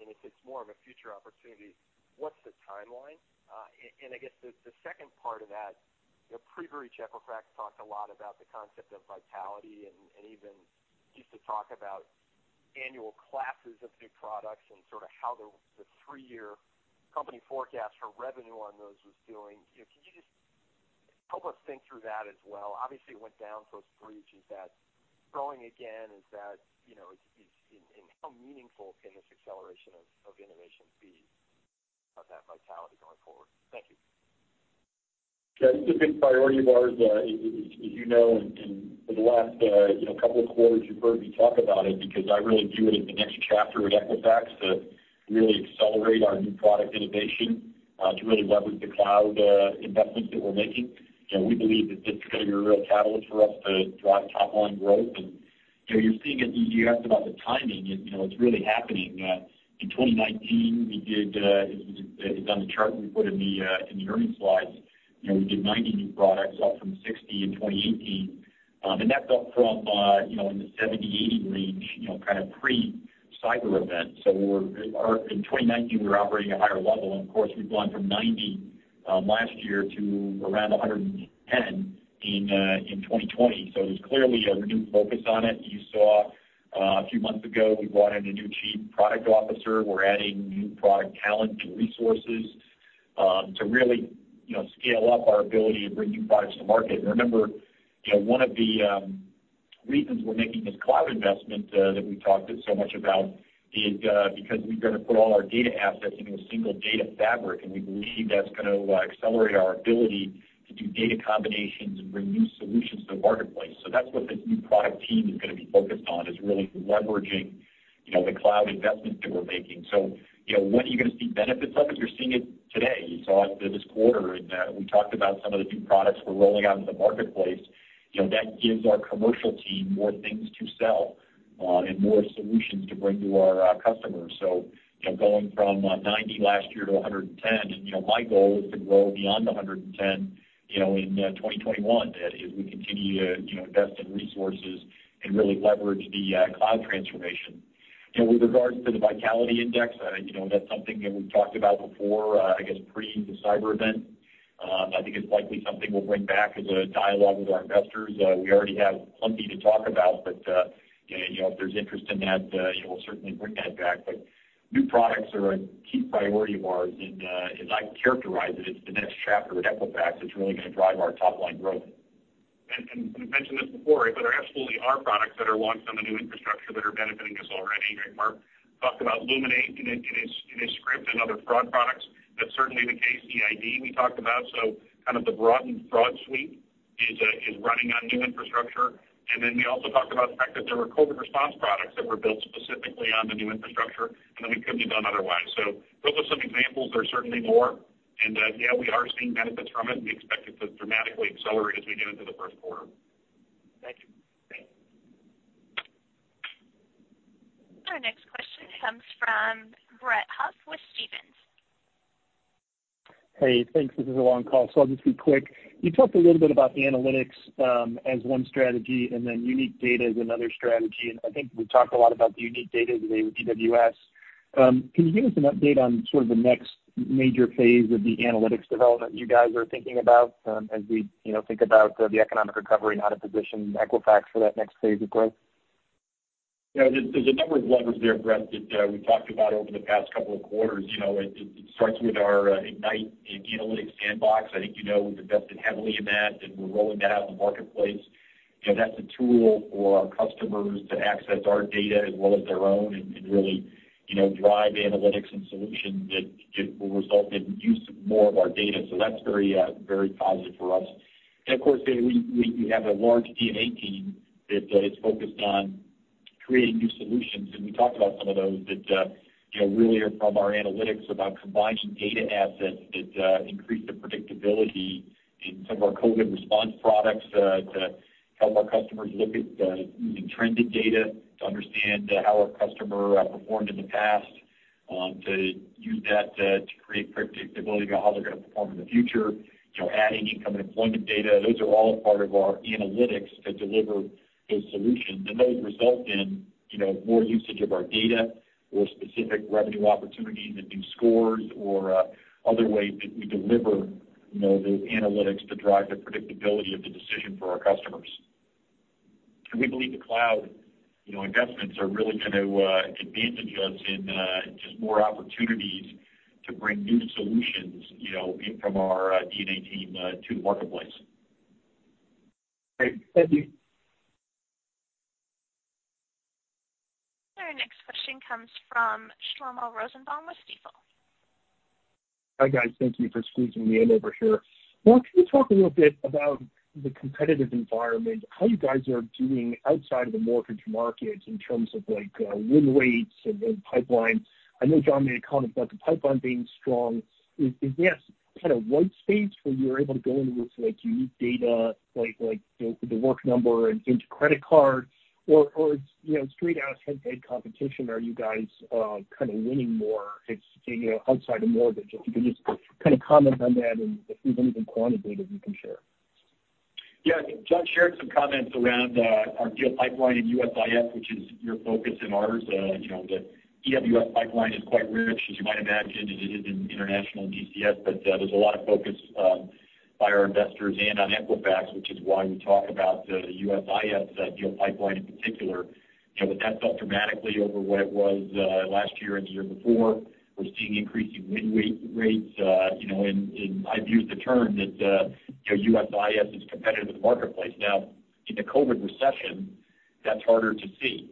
If it's more of a future opportunity, what's the timeline? I guess the second part of that, pre-Breach, Equifax talked a lot about the concept of vitality and even used to talk about annual classes of new products and sort of how the three-year company forecast for revenue on those was doing. Can you just help us think through that as well? Obviously, it went down to those breaches. Is that growing again? Is that in how meaningful can this acceleration of innovation be of that vitality going forward? Thank you. Yeah. This has been a priority of ours, as you know, and for the last couple of quarters, you've heard me talk about it because I really view it as the next chapter at Equifax to really accelerate our new product innovation to really leverage the cloud investments that we're making. We believe that this is going to be a real catalyst for us to drive top-line growth. You're seeing it in the U.S. about the timing. It's really happening. In 2019, we did, as on the chart we put in the earnings slides, we did 90 new products, up from 60 in 2018. That's up from in the 70-80 range, kind of pre-cyber event. In 2019, we were operating at a higher level. Of course, we've gone from 90 last year to around 110 in 2020. There's clearly a renewed focus on it. You saw a few months ago, we brought in a new Chief Product Officer. We're adding new product talent and resources to really scale up our ability to bring new products to market. Remember, one of the reasons we're making this cloud investment that we talked so much about is because we're going to put all our data assets into a single data fabric. We believe that's going to accelerate our ability to do data combinations and bring new solutions to the marketplace. That's what this new product team is going to be focused on, really leveraging the cloud investments that we're making. What are you going to see benefits of? You're seeing it today. You saw it this quarter. We talked about some of the new products we're rolling out into the marketplace. That gives our commercial team more things to sell and more solutions to bring to our customers. Going from 90 last year to 110, and my goal is to grow beyond 110 in 2021 as we continue to invest in resources and really leverage the cloud transformation. With regards to the vitality index, that's something that we've talked about before, I guess, pre-cyber event. I think it's likely something we'll bring back as a dialogue with our investors. We already have plenty to talk about, but if there's interest in that, we'll certainly bring that back. New products are a key priority of ours. As I characterize it, it's the next chapter at Equifax that's really going to drive our top-line growth. We've mentioned this before, but there absolutely are products that are launched on the new infrastructure that are benefiting us already. Mark talked about Luminate in his script and other fraud products. That's certainly the case. EID we talked about. Kind of the broadened fraud suite is running on new infrastructure. We also talked about the fact that there were COVID response products that were built specifically on the new infrastructure, and that we couldn't have done otherwise. Those are some examples. There are certainly more. Yeah, we are seeing benefits from it. We expect it to dramatically accelerate as we get into the first quarter. Thank you. Our next question comes from Brett Huff with Stephens. Hey. Thanks. This is a long call, so I'll just be quick. You talked a little bit about analytics as one strategy and then unique data as another strategy. I think we talked a lot about the unique data today with EWS. Can you give us an update on sort of the next major phase of the analytics development you guys are thinking about as we think about the economic recovery and how to position Equifax for that next phase of growth? Yeah. There's a number of levers there, Brett, that we talked about over the past couple of quarters. It starts with our Ignite analytics sandbox. I think you know we've invested heavily in that, and we're rolling that out in the marketplace. That's a tool for our customers to access our data as well as their own and really drive analytics and solutions that will result in use of more of our data. That is very positive for us. Of course, we have a large DNA team that is focused on creating new solutions. We talked about some of those that really are from our analytics about combining data assets that increase the predictability in some of our COVID response products to help our customers look at using trending data to understand how our customer performed in the past, to use that to create predictability about how they're going to perform in the future, adding income and employment data. Those are all part of our analytics to deliver those solutions. Those result in more usage of our data or specific revenue opportunities and new scores or other ways that we deliver those analytics to drive the predictability of the decision for our customers. We believe the cloud investments are really going to advantage us in just more opportunities to bring new solutions from our DNA team to the marketplace. Great. Thank you. Our next question comes from Shlomo Rosenbaum with Stifel. Hi, guys. Thank you for squeezing me in over here. Mark, can you talk a little bit about the competitive environment, how you guys are doing outside of the mortgage market in terms of win rates and pipeline? I know John made a comment about the pipeline being strong. Is this kind of white space where you're able to go in with unique data, like The Work Number and into credit card, or it's straight-out head-to-head competition? Are you guys kind of winning more outside of mortgage? If you could just kind of comment on that and if there's anything quantitative you can share. Yeah. John shared some comments around our deal pipeline in USIS, which is your focus and ours. The EWS pipeline is quite rich, as you might imagine, as it is in international DCS. There is a lot of focus by our investors and on Equifax, which is why we talk about the USIS deal pipeline in particular. That fell dramatically over what it was last year and the year before. We're seeing increasing win rates in, I've used the term that USIS is competitive with the marketplace. Now, in the COVID recession, that's harder to see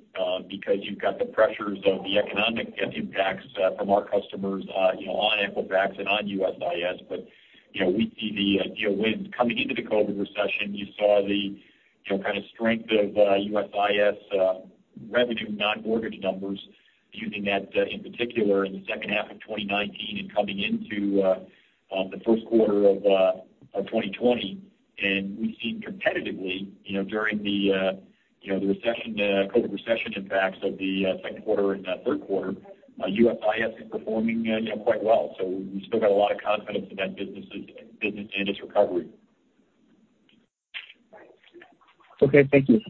because you've got the pressures of the economic impacts from our customers on Equifax and on USIS. We see the wins coming into the COVID recession. You saw the kind of strength of USIS revenue non-mortgage numbers using that in particular in the second half of 2019 and coming into the first quarter of 2020. We have seen competitively during the COVID recession impacts of the second quarter and third quarter, USIS is performing quite well. We still have a lot of confidence in that business and its recovery. Thank you.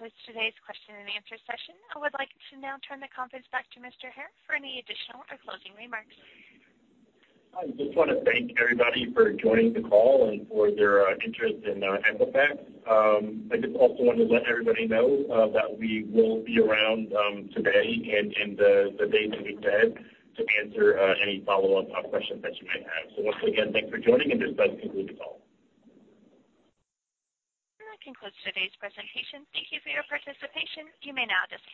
That concludes today's question and answer session. I would like to now turn the conference back to Mr. Hare for any additional or closing remarks. I just want to thank everybody for joining the call and for their interest in Equifax. I also wanted to let everybody know that we will be around today and the days that we have said to answer any follow-up questions that you may have. Once again, thanks for joining, and this does conclude the call. That concludes today's presentation. Thank you for your participation. You may now disconnect.